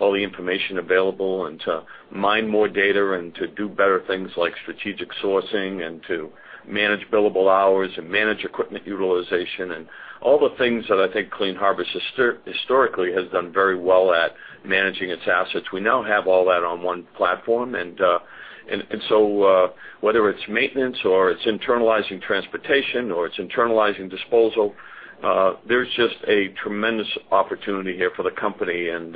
all the information available, and to mine more data and to do better things like strategic sourcing and to manage billable hours and manage equipment utilization and all the things that I think Clean Harbors historically has done very well at managing its assets. We now have all that on one platform, and so whether it's maintenance or it's internalizing transportation or it's internalizing disposal, there's just a tremendous opportunity here for the company. And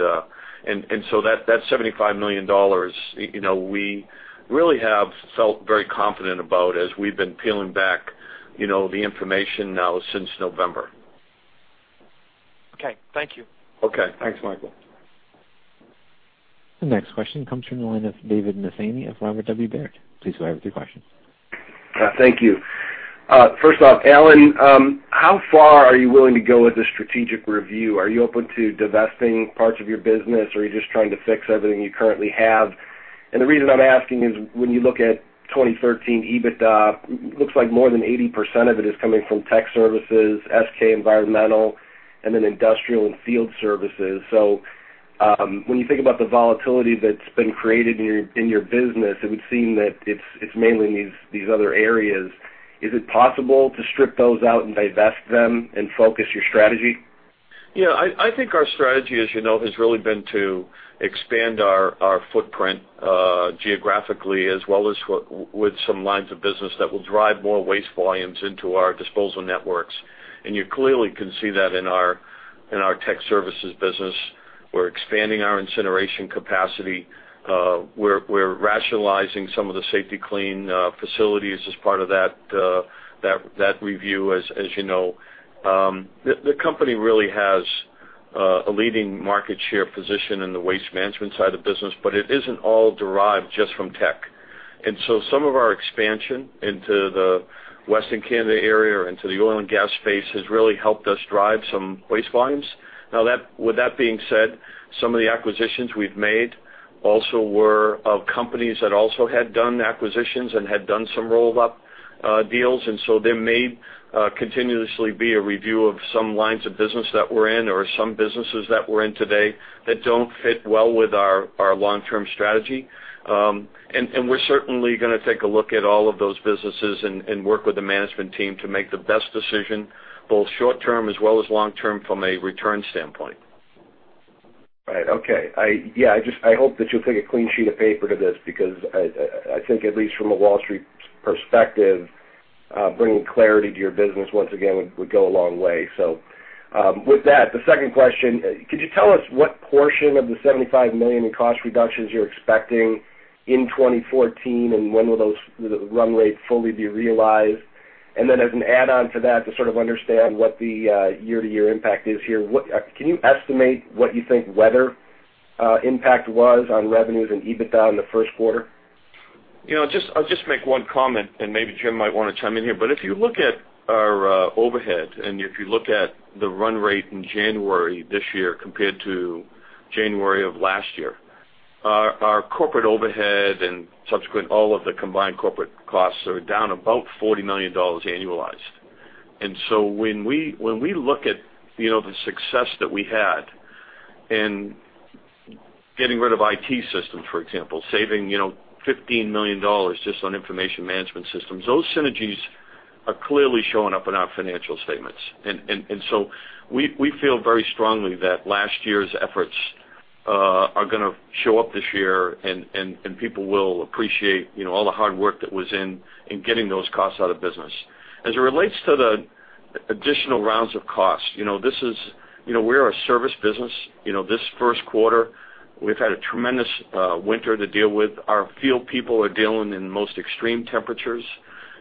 so that $75 million, we really have felt very confident about as we've been peeling back the information now since November. Okay. Thank you. Okay. Thanks, Michael. The next question comes from the line of David Manthey of Robert W. Baird. Please go ahead with your questions. Thank you. First off, Alan, how far are you willing to go with the strategic review? Are you open to divesting parts of your business, or are you just trying to fix everything you currently have? And the reason I'm asking is when you look at 2013 EBITDA, it looks like more than 80% of it is coming from tech services, SK Environmental, and then industrial and field services. So when you think about the volatility that's been created in your business, it would seem that it's mainly in these other areas. Is it possible to strip those out and divest them and focus your strategy? Yeah. I think our strategy, as you know, has really been to expand our footprint geographically as well as with some lines of business that will drive more waste volumes into our disposal networks. And you clearly can see that in our tech services business. We're expanding our incineration capacity. We're rationalizing some of the Safety-Kleen facilities as part of that review, as you know. The company really has a leading market share position in the waste management side of business, but it isn't all derived just from tech. And so some of our expansion into the Western Canada area or into the oil and gas space has really helped us drive some waste volumes. Now, with that being said, some of the acquisitions we've made also were of companies that also had done acquisitions and had done some roll-up deals. And so there may continuously be a review of some lines of business that we're in or some businesses that we're in today that don't fit well with our long-term strategy. And we're certainly going to take a look at all of those businesses and work with the management team to make the best decision, both short-term as well as long-term from a return standpoint. Right. Okay. Yeah. I hope that you'll take a clean sheet of paper to this because I think at least from a Wall Street perspective, bringing clarity to your business once again would go a long way. So with that, the second question, could you tell us what portion of the $75 million in cost reductions you're expecting in 2014, and when will the run rate fully be realized? And then as an add-on to that, to sort of understand what the year-to-year impact is here, can you estimate what you think weather impact was on revenues and EBITDA in the first quarter? I'll just make one comment, and maybe Jim might want to chime in here. But if you look at our overhead and if you look at the run rate in January this year compared to January of last year, our corporate overhead and subsequent all of the combined corporate costs are down about $40 million annualized. And so when we look at the success that we had in getting rid of IT systems, for example, saving $15 million just on information management systems, those synergies are clearly showing up in our financial statements. And so we feel very strongly that last year's efforts are going to show up this year, and people will appreciate all the hard work that was in getting those costs out of business. As it relates to the additional rounds of costs, this is, we're a service business. This first quarter, we've had a tremendous winter to deal with. Our field people are dealing in most extreme temperatures.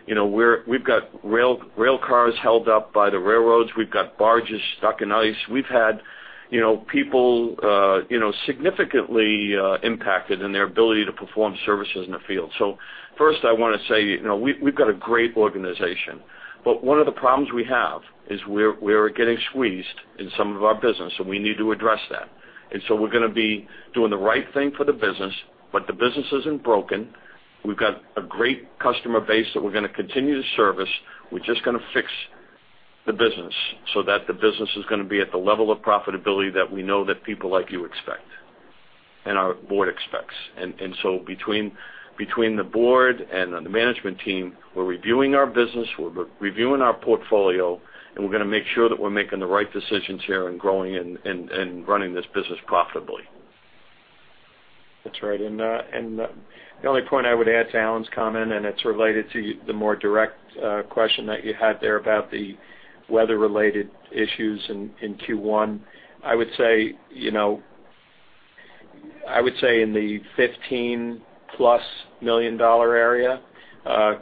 We've got rail cars held up by the railroads. We've got barges stuck in ice. We've had people significantly impacted in their ability to perform services in the field. So first, I want to say we've got a great organization, but one of the problems we have is we're getting squeezed in some of our business, and we need to address that. And so we're going to be doing the right thing for the business, but the business isn't broken. We've got a great customer base that we're going to continue to service. We're just going to fix the business so that the business is going to be at the level of profitability that we know that people like you expect and our board expects. And so between the board and the management team, we're reviewing our business. We're reviewing our portfolio, and we're going to make sure that we're making the right decisions here and growing and running this business profitably. That's right. And the only point I would add to Alan's comment, and it's related to the more direct question that you had there about the weather-related issues in Q1, I would say in the $15 million+ area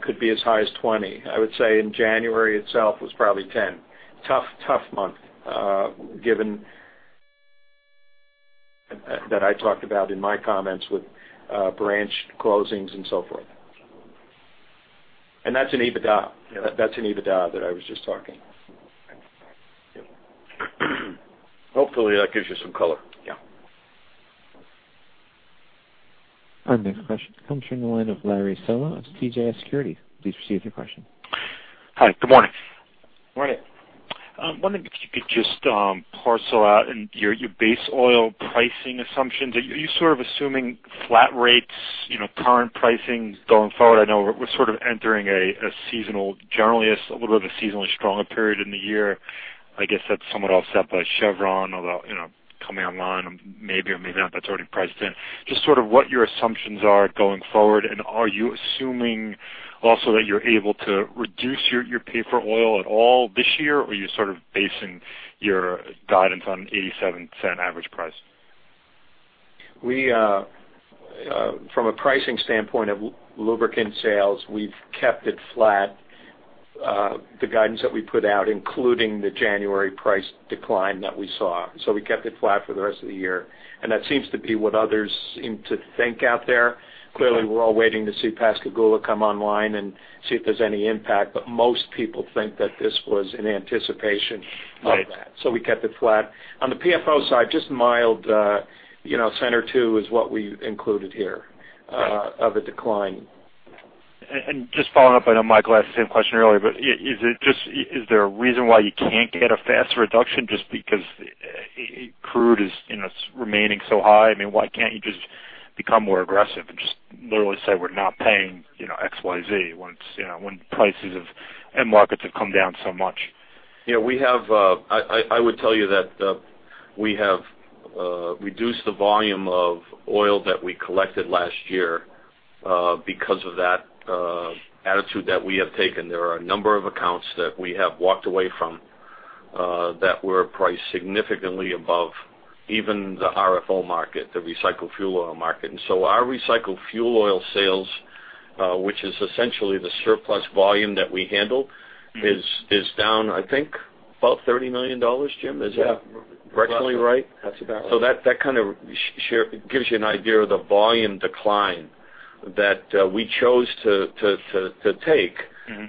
could be as high as $20 million. I would say in January itself was probably $10 million. Tough month given that I talked about in my comments with branch closings and so forth. And that's an EBITDA. That's an EBITDA that I was just talking. Hopefully, that gives you some color. Yeah. Our next question comes from the line of Larry Solow of CJS Securities. Please proceed with your question. Hi. Good morning. Good morning. I wondered if you could just parcel out your base oil pricing assumptions. Are you sort of assuming flat rates, current pricing going forward? I know we're sort of entering a seasonal, generally a little bit of a seasonally stronger period in the year. I guess that's somewhat offset by Chevron, although coming online, maybe or maybe not, that's already priced in. Just sort of what your assumptions are going forward, and are you assuming also that you're able to reduce your pay-for-oil at all this year, or are you sort of basing your guidance on $0.87 average price? From a pricing standpoint of lubricant sales, we've kept it flat, the guidance that we put out, including the January price decline that we saw. So we kept it flat for the rest of the year. And that seems to be what others seem to think out there. Clearly, we're all waiting to see Pascagoula come online and see if there's any impact, but most people think that this was in anticipation of that. So we kept it flat. On the PFO side, just mild, 1%-2% is what we included here of a decline. And just following up on Michael, I had the same question earlier, but is there a reason why you can't get a fast reduction just because crude is remaining so high? I mean, why can't you just become more aggressive and just literally say, "We're not paying X, Y, Z when prices and markets have come down so much?" Yeah. I would tell you that we have reduced the volume of oil that we collected last year because of that attitude that we have taken. There are a number of accounts that we have walked away from that were priced significantly above even the RFO market, the recycled fuel oil market. So our recycled fuel oil sales, which is essentially the surplus volume that we handle, is down, I think, about $30 million, Jim. Is that roughly right? That's about right. So that kind of gives you an idea of the volume decline that we chose to take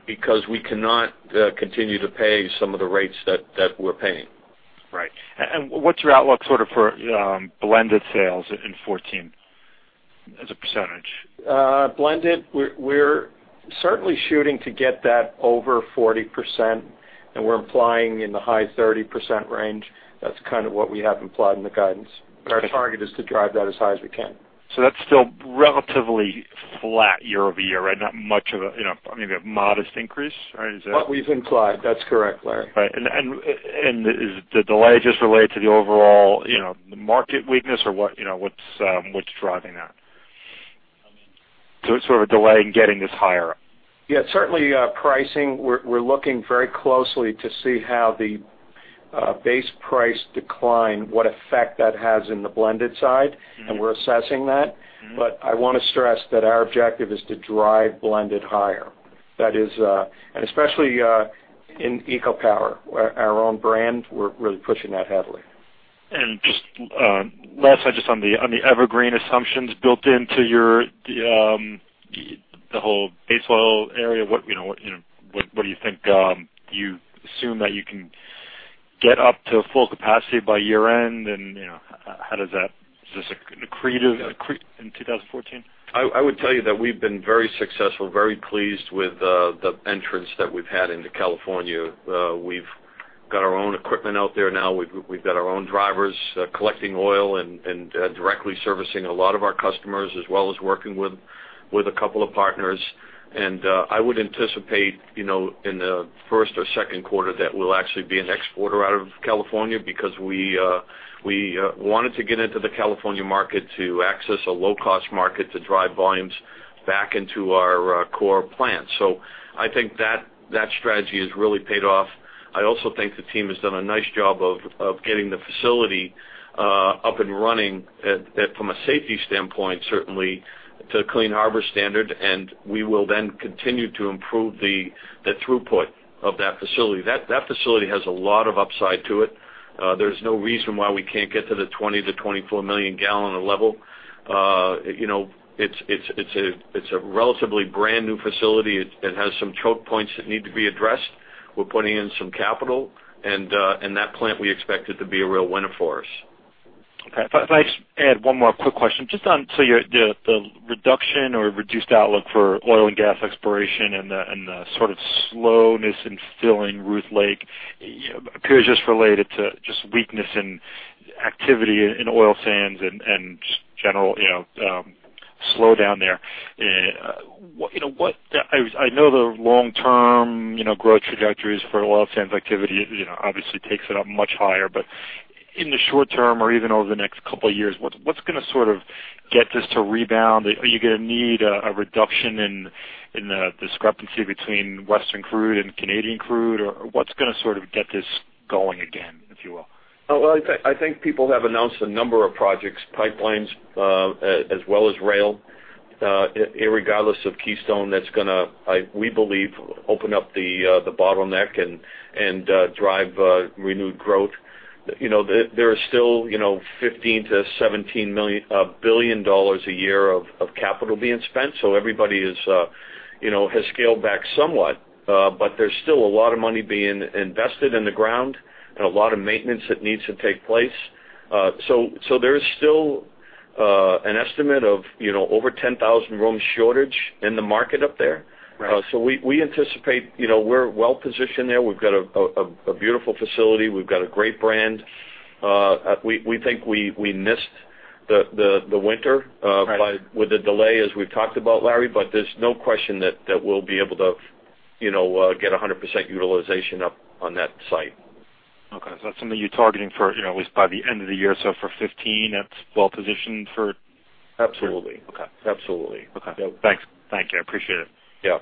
because we cannot continue to pay some of the rates that we're paying. Right. And what's your outlook sort of for blended sales in 2014 as a percentage? Blended, we're certainly shooting to get that over 40%, and we're implying in the high 30% range. That's kind of what we have implied in the guidance. Our target is to drive that as high as we can. So that's still relatively flat year-over-year, right? Not much of a, maybe a modest increase, right? Is that? What we've implied. That's correct, Larry. Right. And is the delay just related to the overall market weakness or what's driving that? Sort of a delay in getting this higher? Yeah. Certainly, pricing. We're looking very closely to see how the base price decline, what effect that has in the blended side, and we're assessing that. But I want to stress that our objective is to drive blended higher. And especially in EcoPower, our own brand, we're really pushing that heavily. And just last, just on the Evergreen assumptions built into the whole base oil area, what do you think you assume that you can get up to full capacity by year-end? And how does that? Is this accretive in 2014? I would tell you that we've been very successful, very pleased with the entrance that we've had into California. We've got our own equipment out there now. We've got our own drivers collecting oil and directly servicing a lot of our customers as well as working with a couple of partners. And I would anticipate in the first or second quarter that we'll actually be an exporter out of California because we wanted to get into the California market to access a low-cost market to drive volumes back into our core plant. So I think that strategy has really paid off. I also think the team has done a nice job of getting the facility up and running from a safety standpoint, certainly to Clean Harbors Standard, and we will then continue to improve the throughput of that facility. That facility has a lot of upside to it. There's no reason why we can't get to the 20-24 million gallon level. It's a relatively brand new facility. It has some choke points that need to be addressed. We're putting in some capital, and that plant, we expect it to be a real winner for us. Okay. If I just add one more quick question. Just on the reduction or reduced outlook for oil and gas exploration and the sort of slowness in filling Ruth Lake, it appears just related to just weakness in activity in oil sands and just general slowdown there. I know the long-term growth trajectories for oil sands activity obviously takes it up much higher, but in the short term or even over the next couple of years, what's going to sort of get this to rebound? Are you going to need a reduction in the discrepancy between Western crude and Canadian crude? Or what's going to sort of get this going again, if you will? Well, I think people have announced a number of projects, pipelines as well as rail, irregardless of Keystone that's going to, we believe, open up the bottleneck and drive renewed growth. There is still $15 billion-$17 billion a year of capital being spent, so everybody has scaled back somewhat, but there's still a lot of money being invested in the ground and a lot of maintenance that needs to take place. So there is still an estimate of over 10,000 rooms shortage in the market up there. So we anticipate we're well positioned there. We've got a beautiful facility. We've got a great brand. We think we missed the winter with the delay, as we've talked about, Larry, but there's no question that we'll be able to get 100% utilization up on that site. Okay. So that's something you're targeting for at least by the end of the year. So for 2015, that's well positioned for? Absolutely. Absolutely. Thanks. Thank you. I appreciate it. Yeah.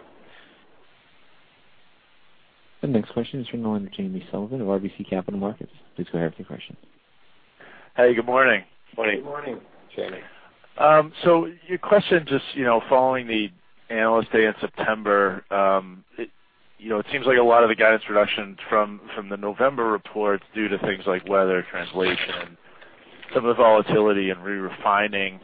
The next question is from the line of Jamie Sullivan of RBC Capital Markets. Please go ahead with your question. Hey. Good morning. Good morning. Good morning, Jamie. So your question, just following the analyst day in September, it seems like a lot of the guidance reductions from the November reports due to things like weather translation, some of the volatility, and re-refining.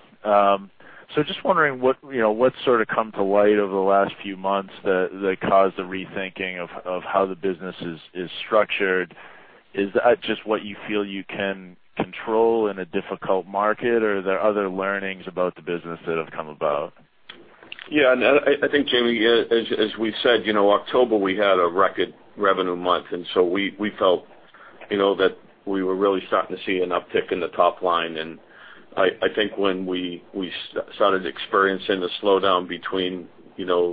So just wondering what's sort of come to light over the last few months that caused a rethinking of how the business is structured. Is that just what you feel you can control in a difficult market, or are there other learnings about the business that have come about? Yeah. And I think, Jamie, as we said, October, we had a record revenue month, and so we felt that we were really starting to see an uptick in the top line. And I think when we started experiencing the slowdown between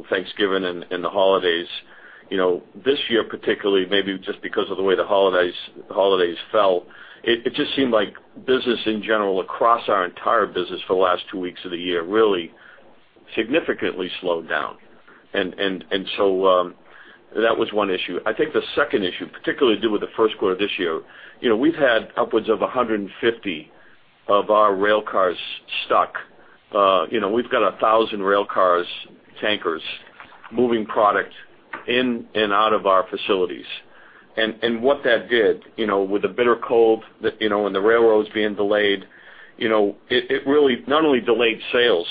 Thanksgiving and the holidays, this year particularly, maybe just because of the way the holidays fell, it just seemed like business in general across our entire business for the last two weeks of the year really significantly slowed down. And so that was one issue. I think the second issue particularly to do with the first quarter of this year, we've had upwards of 150 of our rail cars stuck. We've got 1,000 rail cars, tankers, moving product in and out of our facilities. What that did with the bitter cold and the railroads being delayed, it really not only delayed sales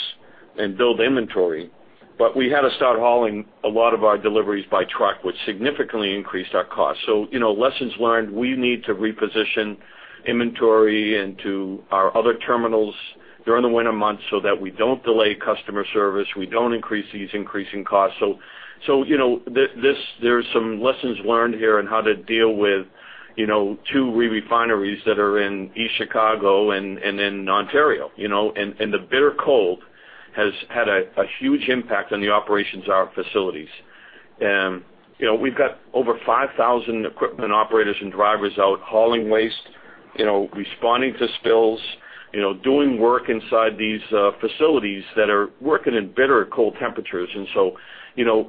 and build inventory, but we had to start hauling a lot of our deliveries by truck, which significantly increased our costs. So lessons learned. We need to reposition inventory into our other terminals during the winter months so that we don't delay customer service. We don't increase these increasing costs. So there's some lessons learned here in how to deal with two re-refineries that are in East Chicago and in Ontario. And the bitter cold has had a huge impact on the operations of our facilities. We've got over 5,000 equipment operators and drivers out hauling waste, responding to spills, doing work inside these facilities that are working in bitter cold temperatures. And so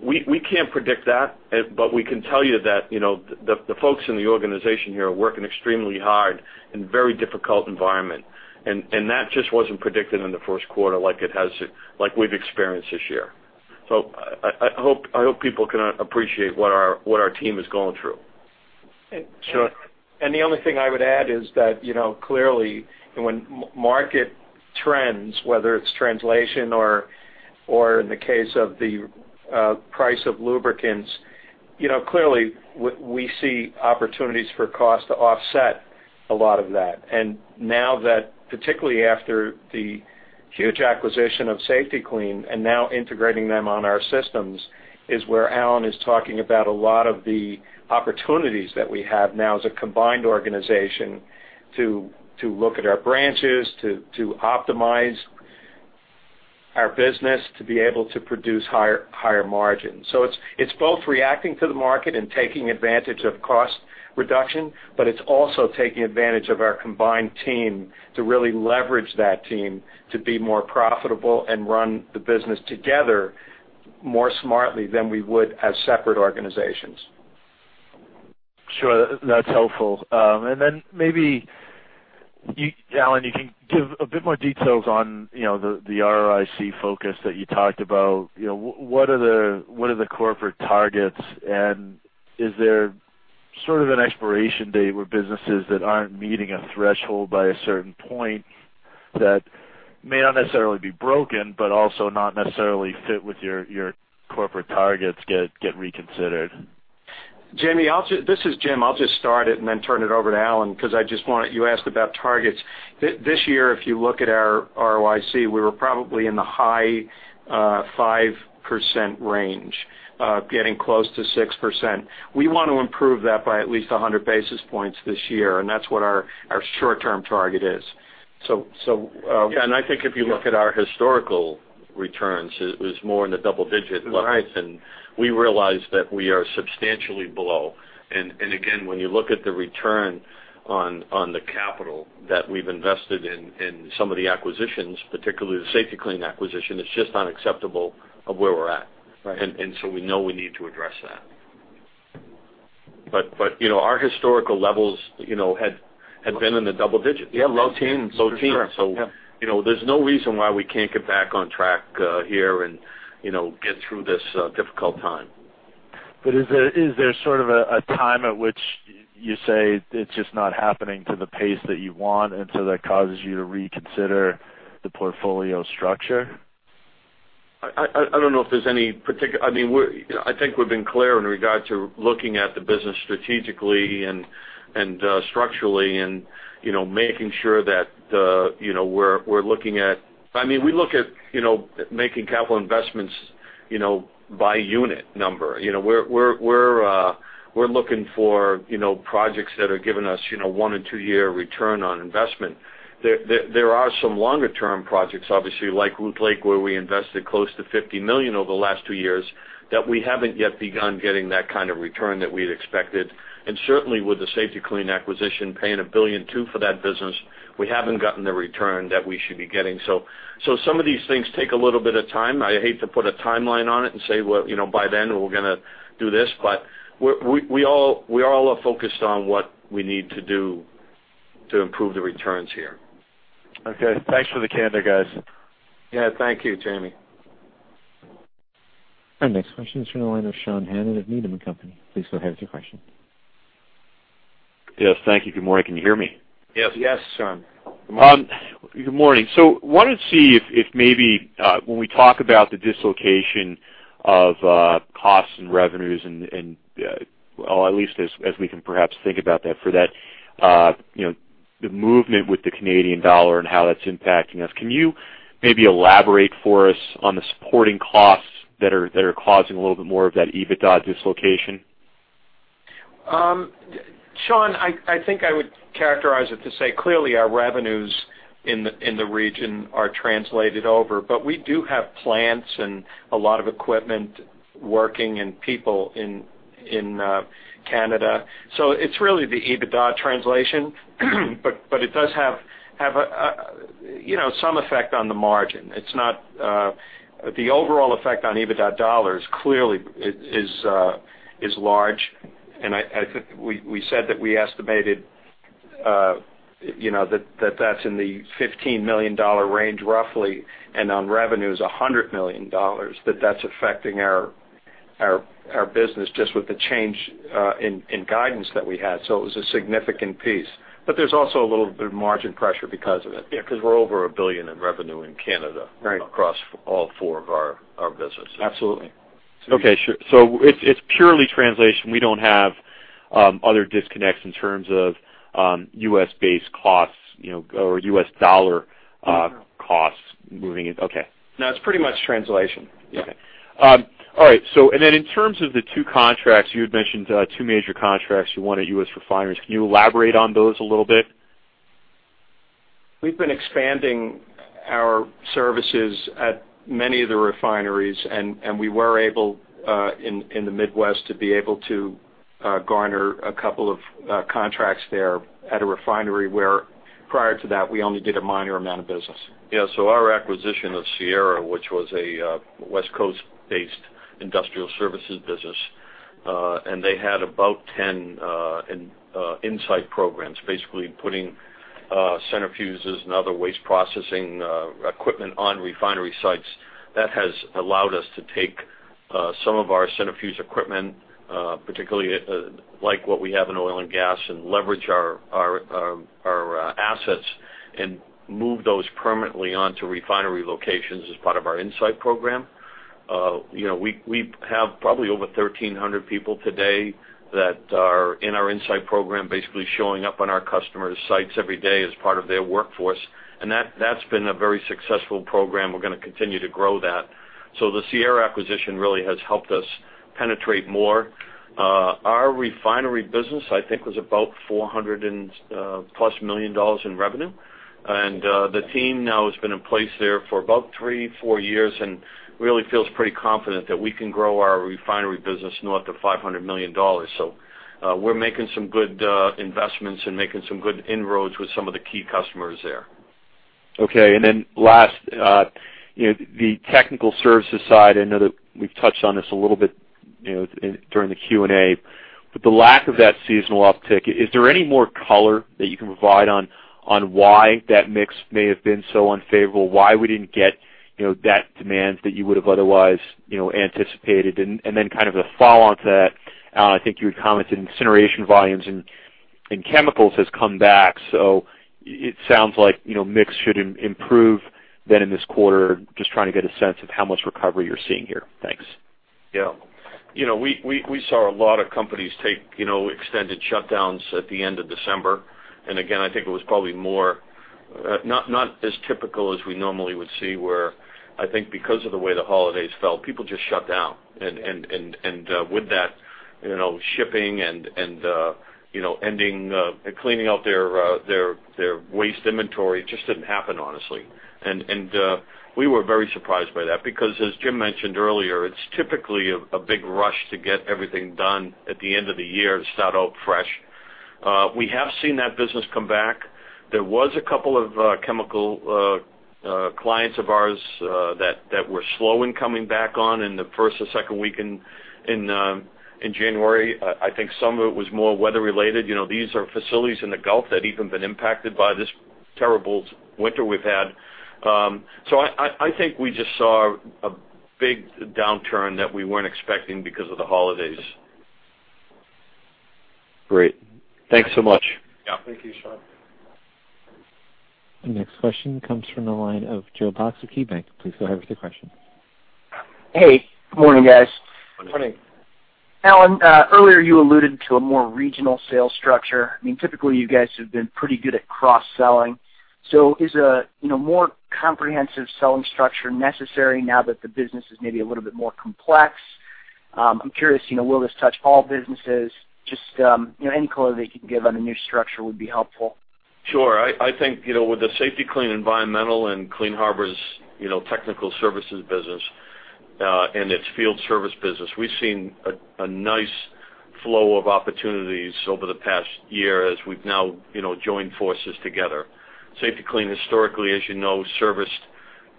we can't predict that, but we can tell you that the folks in the organization here are working extremely hard in a very difficult environment. And that just wasn't predicted in the first quarter like we've experienced this year. So I hope people can appreciate what our team is going through. And the only thing I would add is that clearly, when market trends, whether it's translation or in the case of the price of lubricants, clearly we see opportunities for cost to offset a lot of that. And now that, particularly after the huge acquisition of Safety-Kleen and now integrating them on our systems is where Alan is talking about a lot of the opportunities that we have now as a combined organization to look at our branches, to optimize our business, to be able to produce higher margins. So it's both reacting to the market and taking advantage of cost reduction, but it's also taking advantage of our combined team to really leverage that team to be more profitable and run the business together more smartly than we would as separate organizations. Sure. That's helpful. And then maybe, Alan, you can give a bit more details on the ROIC focus that you talked about. What are the corporate targets? And is there sort of an expiration date where businesses that aren't meeting a threshold by a certain point that may not necessarily be broken, but also not necessarily fit with your corporate targets get reconsidered? Jamie, this is Jim. I'll just start it and then turn it over to Alan because I just wanted you to ask about targets. This year, if you look at our ROIC, we were probably in the high 5% range, getting close to 6%. We want to improve that by at least 100 basis points this year, and that's what our short-term target is. I think if you look at our historical returns, it was more in the double digit levels, and we realized that we are substantially below. Again, when you look at the return on the capital that we've invested in some of the acquisitions, particularly the Safety-Kleen acquisition, it's just unacceptable of where we're at. So we know we need to address that. But our historical levels had been in the double digits. Yeah. Low teens. Low teens. So there's no reason why we can't get back on track here and get through this difficult time. But is there sort of a time at which you say it's just not happening to the pace that you want, and so that causes you to reconsider the portfolio structure? I don't know if there's any particular. I mean, I think we've been clear in regard to looking at the business strategically and structurally and making sure that we're looking at. I mean, we look at making capital investments by unit number. We're looking for projects that are giving us one- or two-year return on investment. There are some longer-term projects, obviously, like Ruth Lake, where we invested close to $50 million over the last two years that we haven't yet begun getting that kind of return that we'd expected. And certainly, with the Safety-Kleen acquisition, paying $1.2 billion for that business, we haven't gotten the return that we should be getting. So some of these things take a little bit of time. I hate to put a timeline on it and say, "Well, by then, we're going to do this," but we all are focused on what we need to do to improve the returns here. Okay. Thanks for the candor, guys. Yeah. Thank you, Jamie. Our next question is from the line of Sean Hannan of Needham & Company. Please go ahead with your question. Yes. Thank you. Good morning. Can you hear me? Yes. Yes, Sean. Good morning. So wanted to see if maybe when we talk about the dislocation of costs and revenues, or at least as we can perhaps think about that for that, the movement with the Canadian dollar and how that's impacting us, can you maybe elaborate for us on the supporting costs that are causing a little bit more of that EBITDA dislocation? Sean, I think I would characterize it to say clearly our revenues in the region are translated over, but we do have plants and a lot of equipment working and people in Canada. So it's really the EBITDA translation, but it does have some effect on the margin. The overall effect on EBITDA dollars clearly is large. I think we said that we estimated that that's in the $15 million range roughly, and on revenues, $100 million, that that's affecting our business just with the change in guidance that we had. So it was a significant piece. But there's also a little bit of margin pressure because of it. Yeah. Because we're over $1 billion in revenue in Canada across all four of our businesses. Absolutely. Okay. So it's purely translation. We don't have other disconnects in terms of U.S.-based costs or U.S. dollar costs moving in. Okay. No. It's pretty much translation. Yeah. All right. And then in terms of the two contracts, you had mentioned two major contracts. You wanted U.S. refineries. Can you elaborate on those a little bit? We've been expanding our services at many of the refineries, and we were able in the Midwest to be able to garner a couple of contracts there at a refinery where prior to that, we only did a minor amount of business. Yeah. So our acquisition of Sierra, which was a West Coast-based industrial services business, and they had about 10 InSite programs, basically putting centrifuges and other waste processing equipment on refinery sites. That has allowed us to take some of our centrifuge equipment, particularly like what we have in oil and gas, and leverage our assets and move those permanently onto refinery locations as part of our InSite program. We have probably over 1,300 people today that are in our InSite program, basically showing up on our customers' sites every day as part of their workforce. And that's been a very successful program. We're going to continue to grow that. So the Sierra acquisition really has helped us penetrate more. Our refinery business, I think, was about $400+ million in revenue. And the team now has been in place there for about 3-4 years and really feels pretty confident that we can grow our refinery business north of $500 million. So we're making some good investments and making some good inroads with some of the key customers there. Okay. And then last, the technical services side, I know that we've touched on this a little bit during the Q&A, but the lack of that seasonal uptick, is there any more color that you can provide on why that mix may have been so unfavorable, why we didn't get that demand that you would have otherwise anticipated? And then kind of the follow-on to that, Alan, I think you had commented incineration volumes and chemicals has come back. So it sounds like mix should improve then in this quarter, just trying to get a sense of how much recovery you're seeing here. Thanks. Yeah. We saw a lot of companies take extended shutdowns at the end of December. And again, I think it was probably not as typical as we normally would see where, I think because of the way the holidays felt, people just shut down. And with that, shipping and ending cleaning out their waste inventory, it just didn't happen, honestly. And we were very surprised by that because, as Jim mentioned earlier, it's typically a big rush to get everything done at the end of the year to start out fresh. We have seen that business come back. There was a couple of chemical clients of ours that were slow in coming back on in the first or second week in January. I think some of it was more weather-related. These are facilities in the Gulf that even been impacted by this terrible winter we've had. So I think we just saw a big downturn that we weren't expecting because of the holidays. Great. Thanks so much. Yeah. Thank you, Sean. The next question comes from the line of Joe Box at KeyBanc. Please go ahead with your question. Hey. Good morning, guys. Good morning. Alan, earlier you alluded to a more regional sales structure. I mean, typically, you guys have been pretty good at cross-selling. So is a more comprehensive selling structure necessary now that the business is maybe a little bit more complex? I'm curious, will this touch all businesses? Just any color that you can give on a new structure would be helpful. Sure. I think with the Safety-Kleen Environmental and Clean Harbors technical services business and its field service business, we've seen a nice flow of opportunities over the past year as we've now joined forces together. Safety-Kleen, historically, as you know, serviced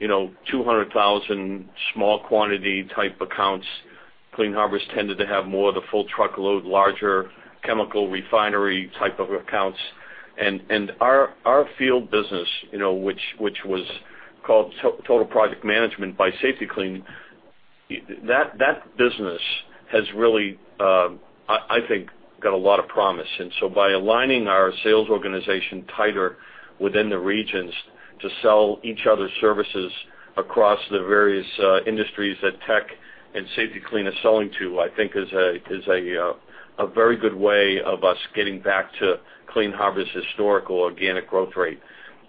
200,000 small quantity type accounts. Clean Harbors tended to have more of the full truckload, larger chemical refinery type of accounts. And our field business, which was called Total Project Management by Safety-Kleen, that business has really, I think, got a lot of promise. And so by aligning our sales organization tighter within the regions to sell each other services across the various industries that tech and Safety-Kleen is selling to, I think is a very good way of us getting back to Clean Harbors historical organic growth rate.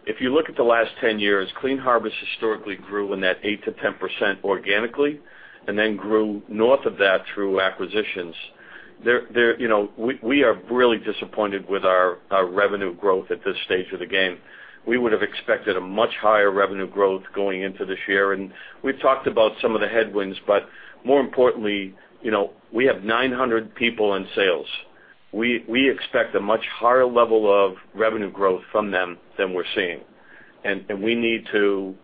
If you look at the last 10 years, Clean Harbors historically grew in that 8%-10% organically and then grew north of that through acquisitions. We are really disappointed with our revenue growth at this stage of the game. We would have expected a much higher revenue growth going into this year. We've talked about some of the headwinds, but more importantly, we have 900 people in sales. We expect a much higher level of revenue growth from them than we're seeing. We need to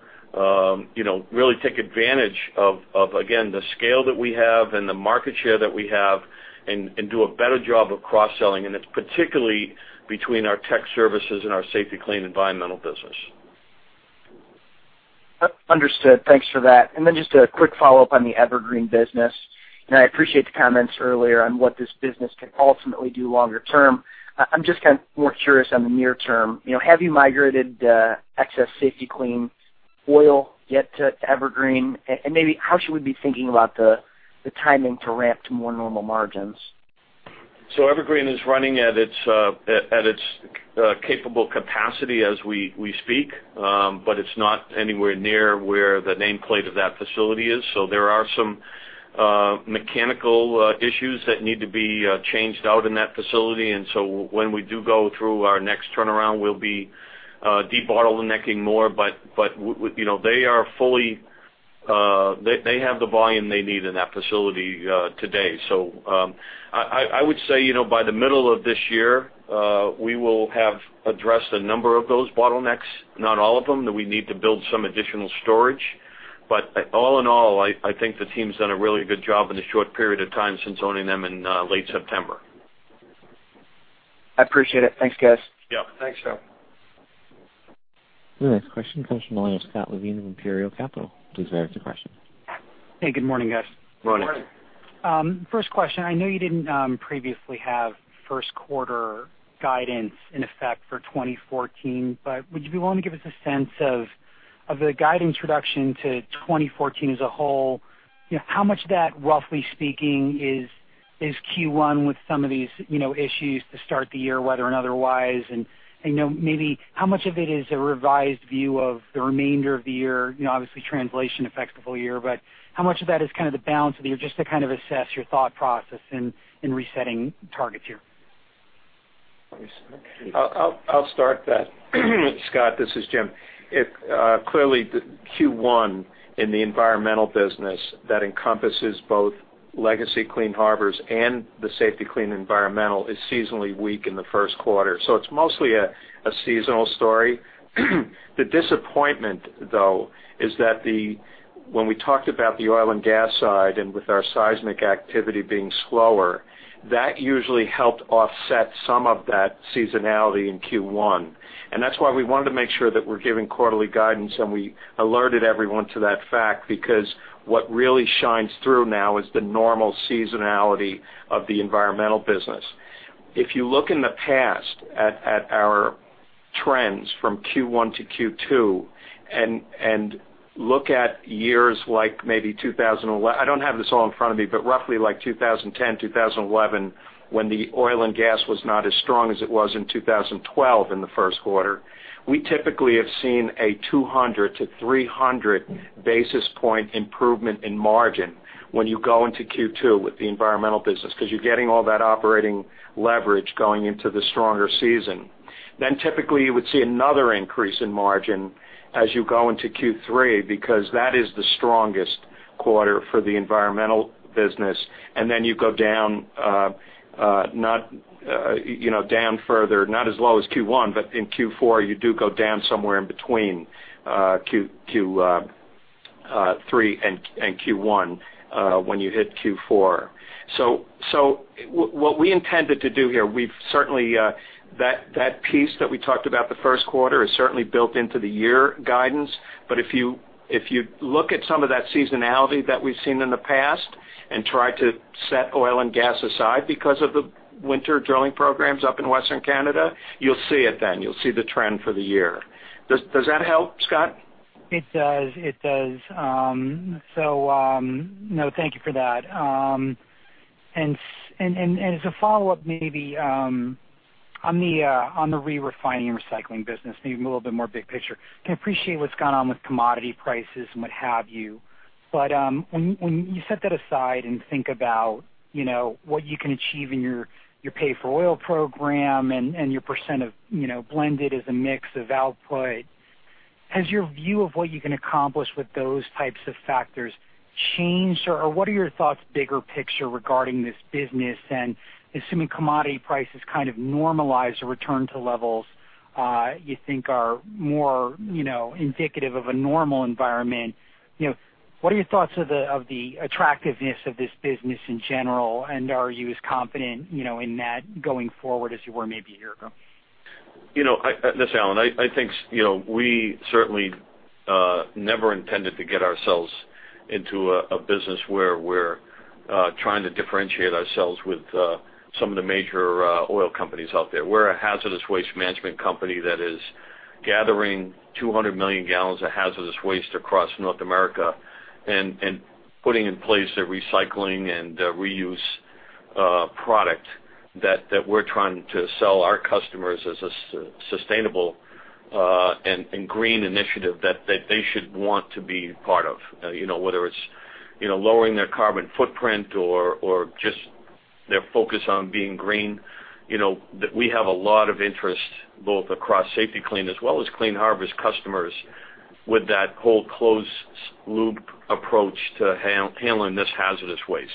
really take advantage of, again, the scale that we have and the market share that we have and do a better job of cross-selling, and it's particularly between our Tech Services and our Safety-Kleen environmental business. Understood. Thanks for that. And then just a quick follow-up on the Evergreen business. I appreciate the comments earlier on what this business can ultimately do longer term. I'm just kind of more curious on the near term. Have you migrated excess Safety-Kleen oil yet to Evergreen? And maybe how should we be thinking about the timing to ramp to more normal margins? So Evergreen is running at its capable capacity as we speak, but it's not anywhere near where the nameplate of that facility is. So there are some mechanical issues that need to be changed out in that facility. And so when we do go through our next turnaround, we'll be debottlenecking more. But they have the volume they need in that facility today. So I would say by the middle of this year, we will have addressed a number of those bottlenecks, not all of them, that we need to build some additional storage. But all in all, I think the team's done a really good job in a short period of time since owning them in late September. I appreciate it. Thanks, guys. Yeah. Thanks, Sean. The next question comes from the line of Scott Levine of Imperial Capital. Please bear with the question. Hey. Good morning, guys. Good morning. Good morning. First question. I know you didn't previously have first-quarter guidance in effect for 2014, but would you be willing to give us a sense of the guidance reduction to 2014 as a whole? How much of that, roughly speaking, is Q1 with some of these issues to start the year, whether and otherwise? And maybe how much of it is a revised view of the remainder of the year? Obviously, translation affects the full year, but how much of that is kind of the balance of the year just to kind of assess your thought process in resetting targets here? I'll start that. Scott, this is Jim. Clearly, Q1 in the environmental business that encompasses both Legacy Clean Harbors and the Safety-Kleen environmental is seasonally weak in the first quarter. So it's mostly a seasonal story. The disappointment, though, is that when we talked about the oil and gas side and with our seismic activity being slower, that usually helped offset some of that seasonality in Q1. And that's why we wanted to make sure that we're giving quarterly guidance, and we alerted everyone to that fact because what really shines through now is the normal seasonality of the environmental business. If you look in the past at our trends from Q1 to Q2 and look at years like maybe 2011, I don't have this all in front of me, but roughly like 2010, 2011, when the oil and gas was not as strong as it was in 2012 in the first quarter, we typically have seen a 200-300 basis point improvement in margin when you go into Q2 with the environmental business because you're getting all that operating leverage going into the stronger season. Then typically, you would see another increase in margin as you go into Q3 because that is the strongest quarter for the environmental business. And then you go down, not down further, not as low as Q1, but in Q4, you do go down somewhere in between Q3 and Q1 when you hit Q4. So what we intended to do here, we've certainly that piece that we talked about the first quarter is certainly built into the year guidance. But if you look at some of that seasonality that we've seen in the past and try to set oil and gas aside because of the winter drilling programs up in Western Canada, you'll see it then. You'll see the trend for the year. Does that help, Scott? It does. It does. So no, thank you for that. And as a follow-up, maybe on the re-refining and recycling business, maybe a little bit more big picture. I appreciate what's gone on with commodity prices and what have you. But when you set that aside and think about what you can achieve in your Pay-for-Oil program and your percent of blended as a mix of output, has your view of what you can accomplish with those types of factors changed? Or what are your thoughts, bigger picture, regarding this business? And assuming commodity prices kind of normalize or return to levels you think are more indicative of a normal environment, what are your thoughts of the attractiveness of this business in general? And are you as confident in that going forward as you were maybe a year ago? This, Alan, I think we certainly never intended to get ourselves into a business where we're trying to differentiate ourselves with some of the major oil companies out there. We're a hazardous waste management company that is gathering 200 million gallons of hazardous waste across North America and putting in place a recycling and reuse product that we're trying to sell our customers as a sustainable and green initiative that they should want to be part of, whether it's lowering their carbon footprint or just their focus on being green. We have a lot of interest both across Safety-Kleen as well as Clean Harbors customers with that whole closed-loop approach to handling this hazardous waste.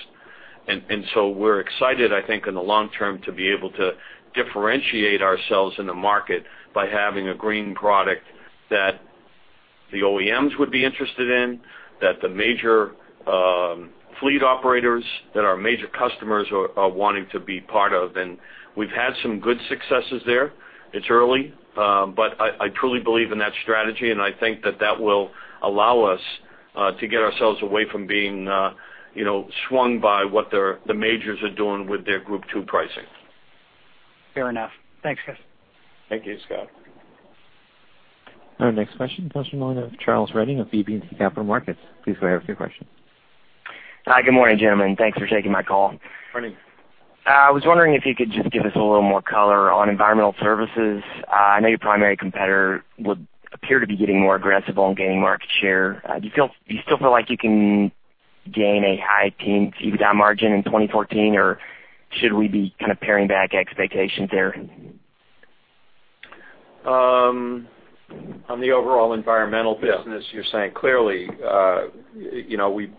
And so we're excited, I think, in the long term to be able to differentiate ourselves in the market by having a green product that the OEMs would be interested in, that the major fleet operators that our major customers are wanting to be part of. And we've had some good successes there. It's early, but I truly believe in that strategy. I think that that will allow us to get ourselves away from being swung by what the majors are doing with their Group II pricing. Fair enough. Thanks, guys. Thank you, Scott. Our next question comes from the line of Charles Redding of BB&T Capital Markets. Please go ahead with your question. Hi. Good morning, gentlemen. Thanks for taking my call. Morning. I was wondering if you could just give us a little more color on environmental services. I know your primary competitor would appear to be getting more aggressive on gaining market share. Do you still feel like you can gain a high teen EBITDA margin in 2014, or should we be kind of paring back expectations there? On the overall environmental business, you're saying clearly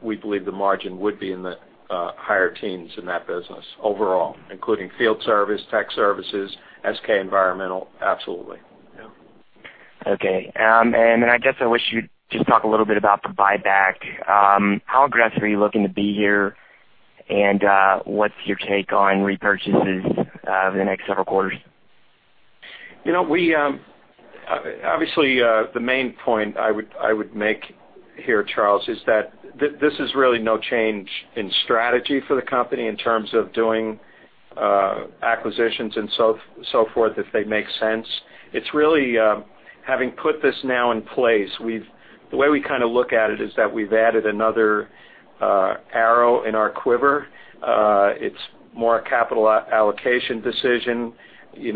we believe the margin would be in the higher teens in that business overall, including field service, tech services, Safety-Kleen. Absolutely. Yeah. Okay. I guess I wish you'd just talk a little bit about the buyback. How aggressive are you looking to be here, and what's your take on repurchases over the next several quarters? Obviously, the main point I would make here, Charles, is that this is really no change in strategy for the company in terms of doing acquisitions and so forth if they make sense. It's really having put this now in place. The way we kind of look at it is that we've added another arrow in our quiver. It's more a capital allocation decision.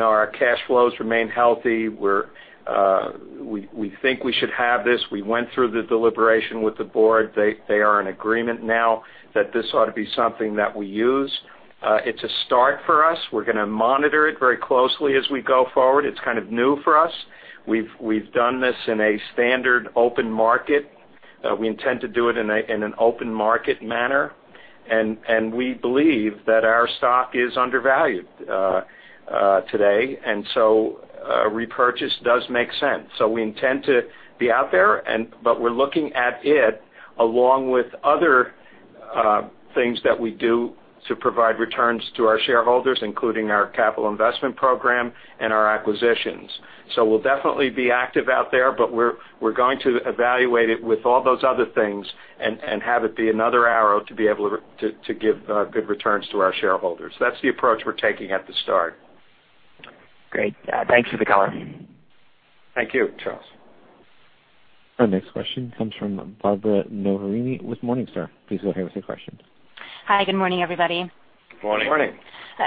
Our cash flows remain healthy. We think we should have this. We went through the deliberation with the board. They are in agreement now that this ought to be something that we use. It's a start for us. We're going to monitor it very closely as we go forward. It's kind of new for us. We've done this in a standard open market. We intend to do it in an open market manner. And we believe that our stock is undervalued today. And so repurchase does make sense. So we intend to be out there, but we're looking at it along with other things that we do to provide returns to our shareholders, including our capital investment program and our acquisitions. So we'll definitely be active out there, but we're going to evaluate it with all those other things and have it be another arrow to be able to give good returns to our shareholders. That's the approach we're taking at the start. Great. Thanks for the color. Thank you, Charles. Our next question comes from Barbara Noverini. Good morning, sir. Please go ahead with your question. Hi. Good morning, everybody. Good morning. Good morning.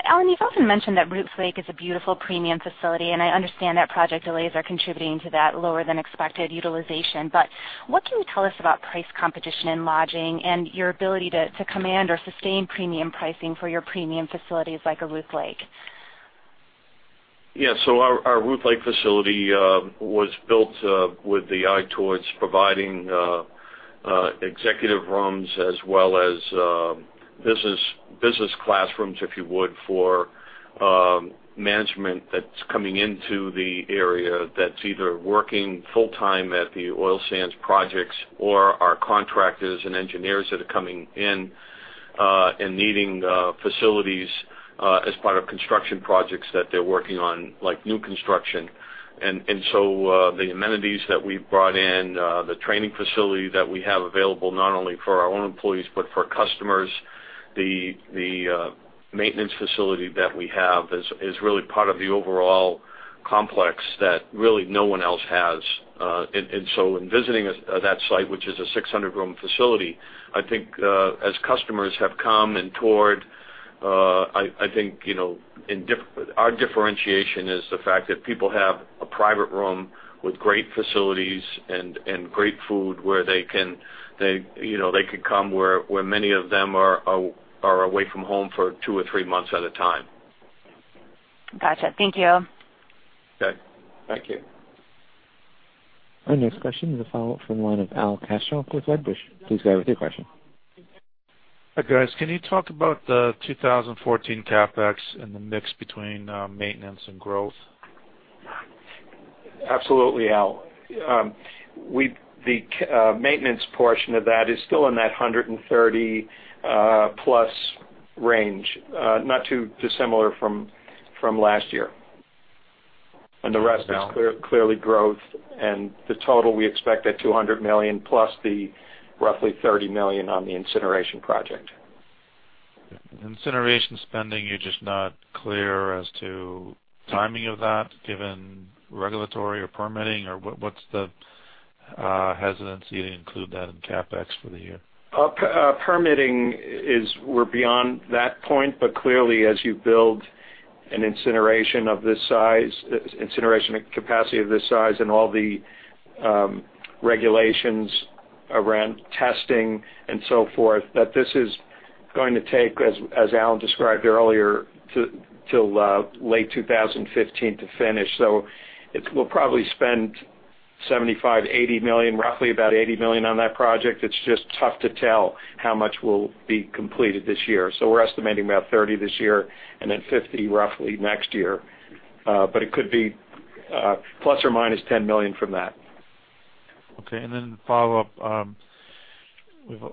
Alan, you've often mentioned that Ruth Lake is a beautiful premium facility. I understand that project delays are contributing to that lower-than-expected utilization. What can you tell us about price competition in lodging and your ability to command or sustain premium pricing for your premium facilities like Ruth Lake? Yeah. So our Ruth Lake facility was built with the eye towards providing executive rooms as well as business classrooms, if you would, for management that's coming into the area that's either working full-time at the oil sands projects or our contractors and engineers that are coming in and needing facilities as part of construction projects that they're working on, like new construction. And so the amenities that we've brought in, the training facility that we have available not only for our own employees but for customers, the maintenance facility that we have is really part of the overall complex that really no one else has. And so in visiting that site, which is a 600-room facility, I think as customers have come and toured, I think our differentiation is the fact that people have a private room with great facilities and great food where they can come where many of them are away from home for two or three months at a time. Gotcha. Thank you. Okay. Thank you. Our next question is a follow-up from the line of Al Kaschalk. Please go ahead with your question. Hi, guys. Can you talk about the 2014 CapEx and the mix between maintenance and growth? Absolutely, Al. The maintenance portion of that is still in that 130+ range, not too dissimilar from last year. The rest is clearly growth. The total we expect at $200 million plus the roughly $30 million on the incineration project. Incineration spending, you're just not clear as to timing of that given regulatory or permitting? Or what's the hesitancy to include that in CapEx for the year? Permitting, we're beyond that point. But clearly, as you build an incineration of this size, incineration capacity of this size, and all the regulations around testing and so forth, that this is going to take, as Alan described earlier, till late 2015 to finish. So we'll probably spend $75 million-$80 million, roughly about $80 million on that project. It's just tough to tell how much will be completed this year. So we're estimating about $30 million this year and then $50 million roughly next year. But it could be ±$10 million from that. Okay. And then follow-up.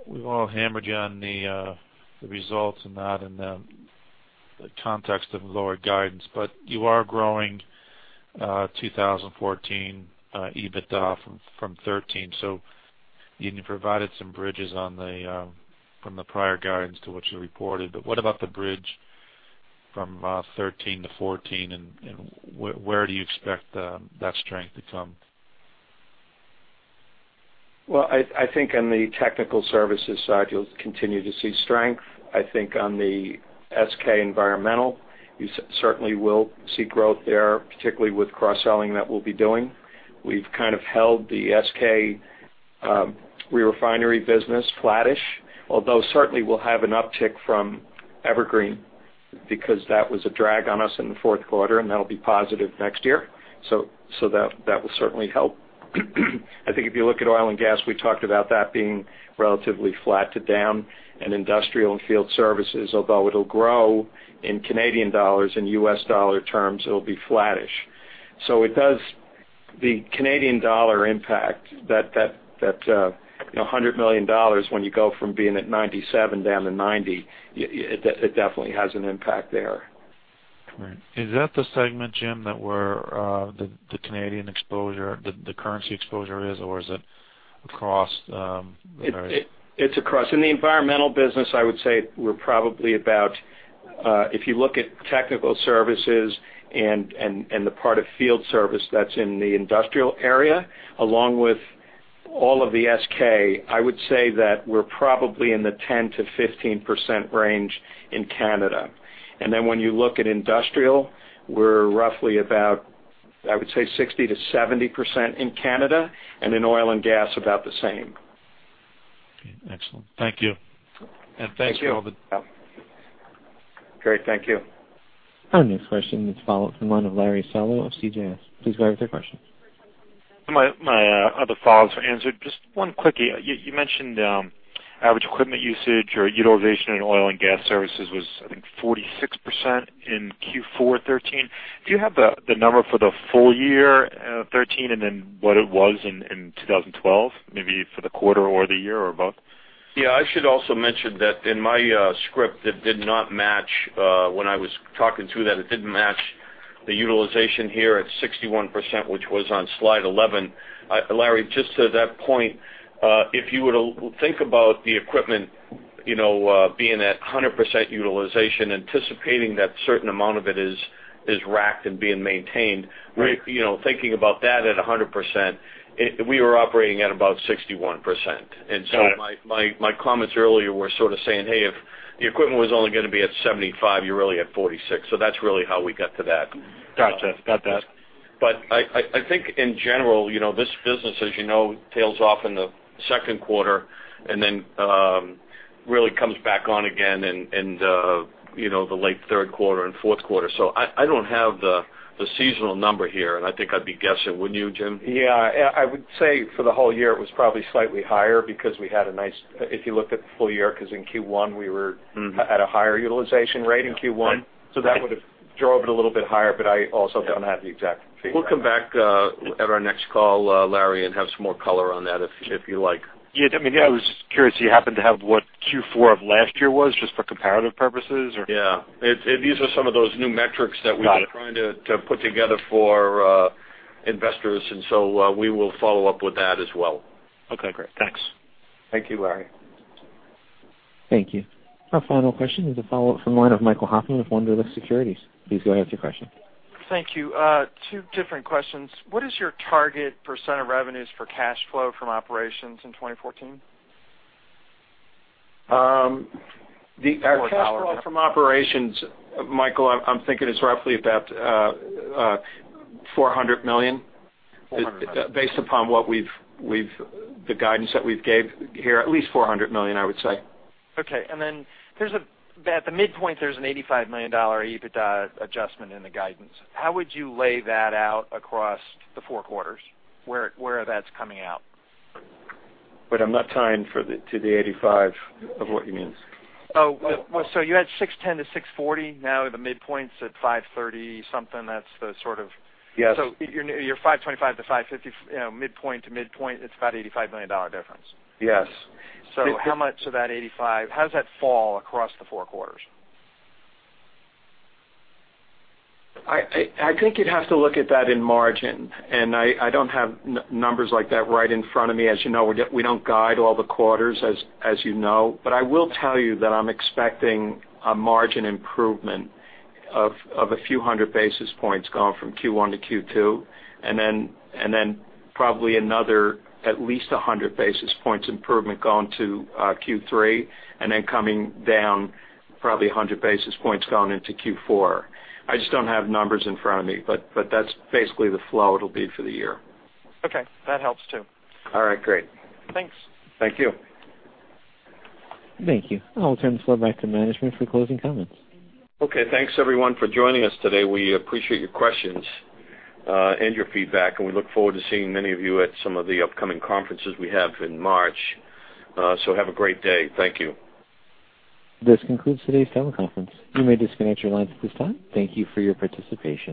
We've all hammered you on the results and that and the context of lower guidance. But you are growing 2014 EBITDA from 2013. So you provided some bridges from the prior guidance to what you reported. But what about the bridge from 2013 to 2014? And where do you expect that strength to come? Well, I think on the technical services side, you'll continue to see strength. I think on the SK Environmental, you certainly will see growth there, particularly with cross-selling that we'll be doing. We've kind of held the SK re-refinery business flattish, although certainly we'll have an uptick from Evergreen because that was a drag on us in the fourth quarter, and that'll be positive next year. So that will certainly help. I think if you look at oil and gas, we talked about that being relatively flat to down. Industrial and field services, although it'll grow in Canadian dollars and US dollar terms, it'll be flattish. So it does the Canadian dollar impact that $100 million when you go from being at 97 down to 90, it definitely has an impact there. Right. Is that the segment, Jim, that the Canadian exposure, the currency exposure is, or is it across the area? It's across. In the environmental business, I would say we're probably about if you look at technical services and the part of field service that's in the industrial area, along with all of the SK, I would say that we're probably in the 10%-15% range in Canada. And then when you look at industrial, we're roughly about, I would say, 60%-70% in Canada. And in oil and gas, about the same. Okay. Excellent. Thank you. And thanks for all the. Thank you, Al. Great. Thank you. Our next question is a follow-up from the line of Larry Solow of CJS. Please go ahead with your question. My other follow-ups were answered. Just one quickie. You mentioned average equipment usage or utilization in oil and gas services was, I think, 46% in Q4 2013. Do you have the number for the full year 2013 and then what it was in 2012, maybe for the quarter or the year or both? Yeah. I should also mention that in my script, it did not match when I was talking through that. It didn't match the utilization here at 61%, which was on slide 11. Larry, just to that point, if you were to think about the equipment being at 100% utilization, anticipating that certain amount of it is racked and being maintained, thinking about that at 100%, we were operating at about 61%. And so my comments earlier were sort of saying, "Hey, if the equipment was only going to be at 75, you're really at 46." So that's really how we got to that. Gotcha. Got that. But I think in general, this business, as you know, tails off in the second quarter and then really comes back on again in the late third quarter and fourth quarter. So I don't have the seasonal number here. And I think I'd be guessing. Wouldn't you, Jim? Yeah. I would say for the whole year, it was probably slightly higher because we had a nice, if you looked at the full year, because in Q1, we were at a higher utilization rate in Q1. So that would have drove it a little bit higher. But I also don't have the exact figure. We'll come back at our next call, Larry, and have some more color on that if you like. Yeah. I mean, I was curious. You happen to have what Q4 of last year was just for comparative purposes or? Yeah. These are some of those new metrics that we've been trying to put together for investors. And so we will follow up with that as well. Okay. Great. Thanks. Thank you, Larry. Thank you. Our final question is a follow-up from the line of Michael Hoffman of Wunderlich Securities. Please go ahead with your question. Thank you. Two different questions. What is your target % of revenues for cash flow from operations in 2014? Our cash flow from operations, Michael, I'm thinking it's roughly about $400 million based upon the guidance that we've gave here. At least $400 million, I would say. Okay. And then at the midpoint, there's an $85 million EBITDA adjustment in the guidance. How would you lay that out across the four quarters? Where that's coming out? But I'm not tying to the 85 of what you mean. Oh. So you had $610 million-$640 million. Now the midpoint's at 530-something. That's the sort of. Yes. So you're $525 million-$550 million, midpoint to midpoint. It's about an $85 million difference. Yes. So how much of that 85, how does that fall across the four quarters? I think you'd have to look at that in margin. I don't have numbers like that right in front of me. As you know, we don't guide all the quarters, as you know. But I will tell you that I'm expecting a margin improvement of a few hundred basis points from Q1 to Q2. And then probably another at least 100 basis points improvement to Q3. And then coming down probably 100 basis points to Q4. I just don't have numbers in front of me. But that's basically the flow it'll be for the year. Okay. That helps too. All right. Great. Thanks. Thank you. Thank you. I'll turn the floor back to management for closing comments. Okay. Thanks, everyone, for joining us today. We appreciate your questions and your feedback. And we look forward to seeing many of you at some of the upcoming conferences we have in March. So have a great day. Thank you. This concludes today's teleconference. You may disconnect your lines at this time. Thank you for your participation.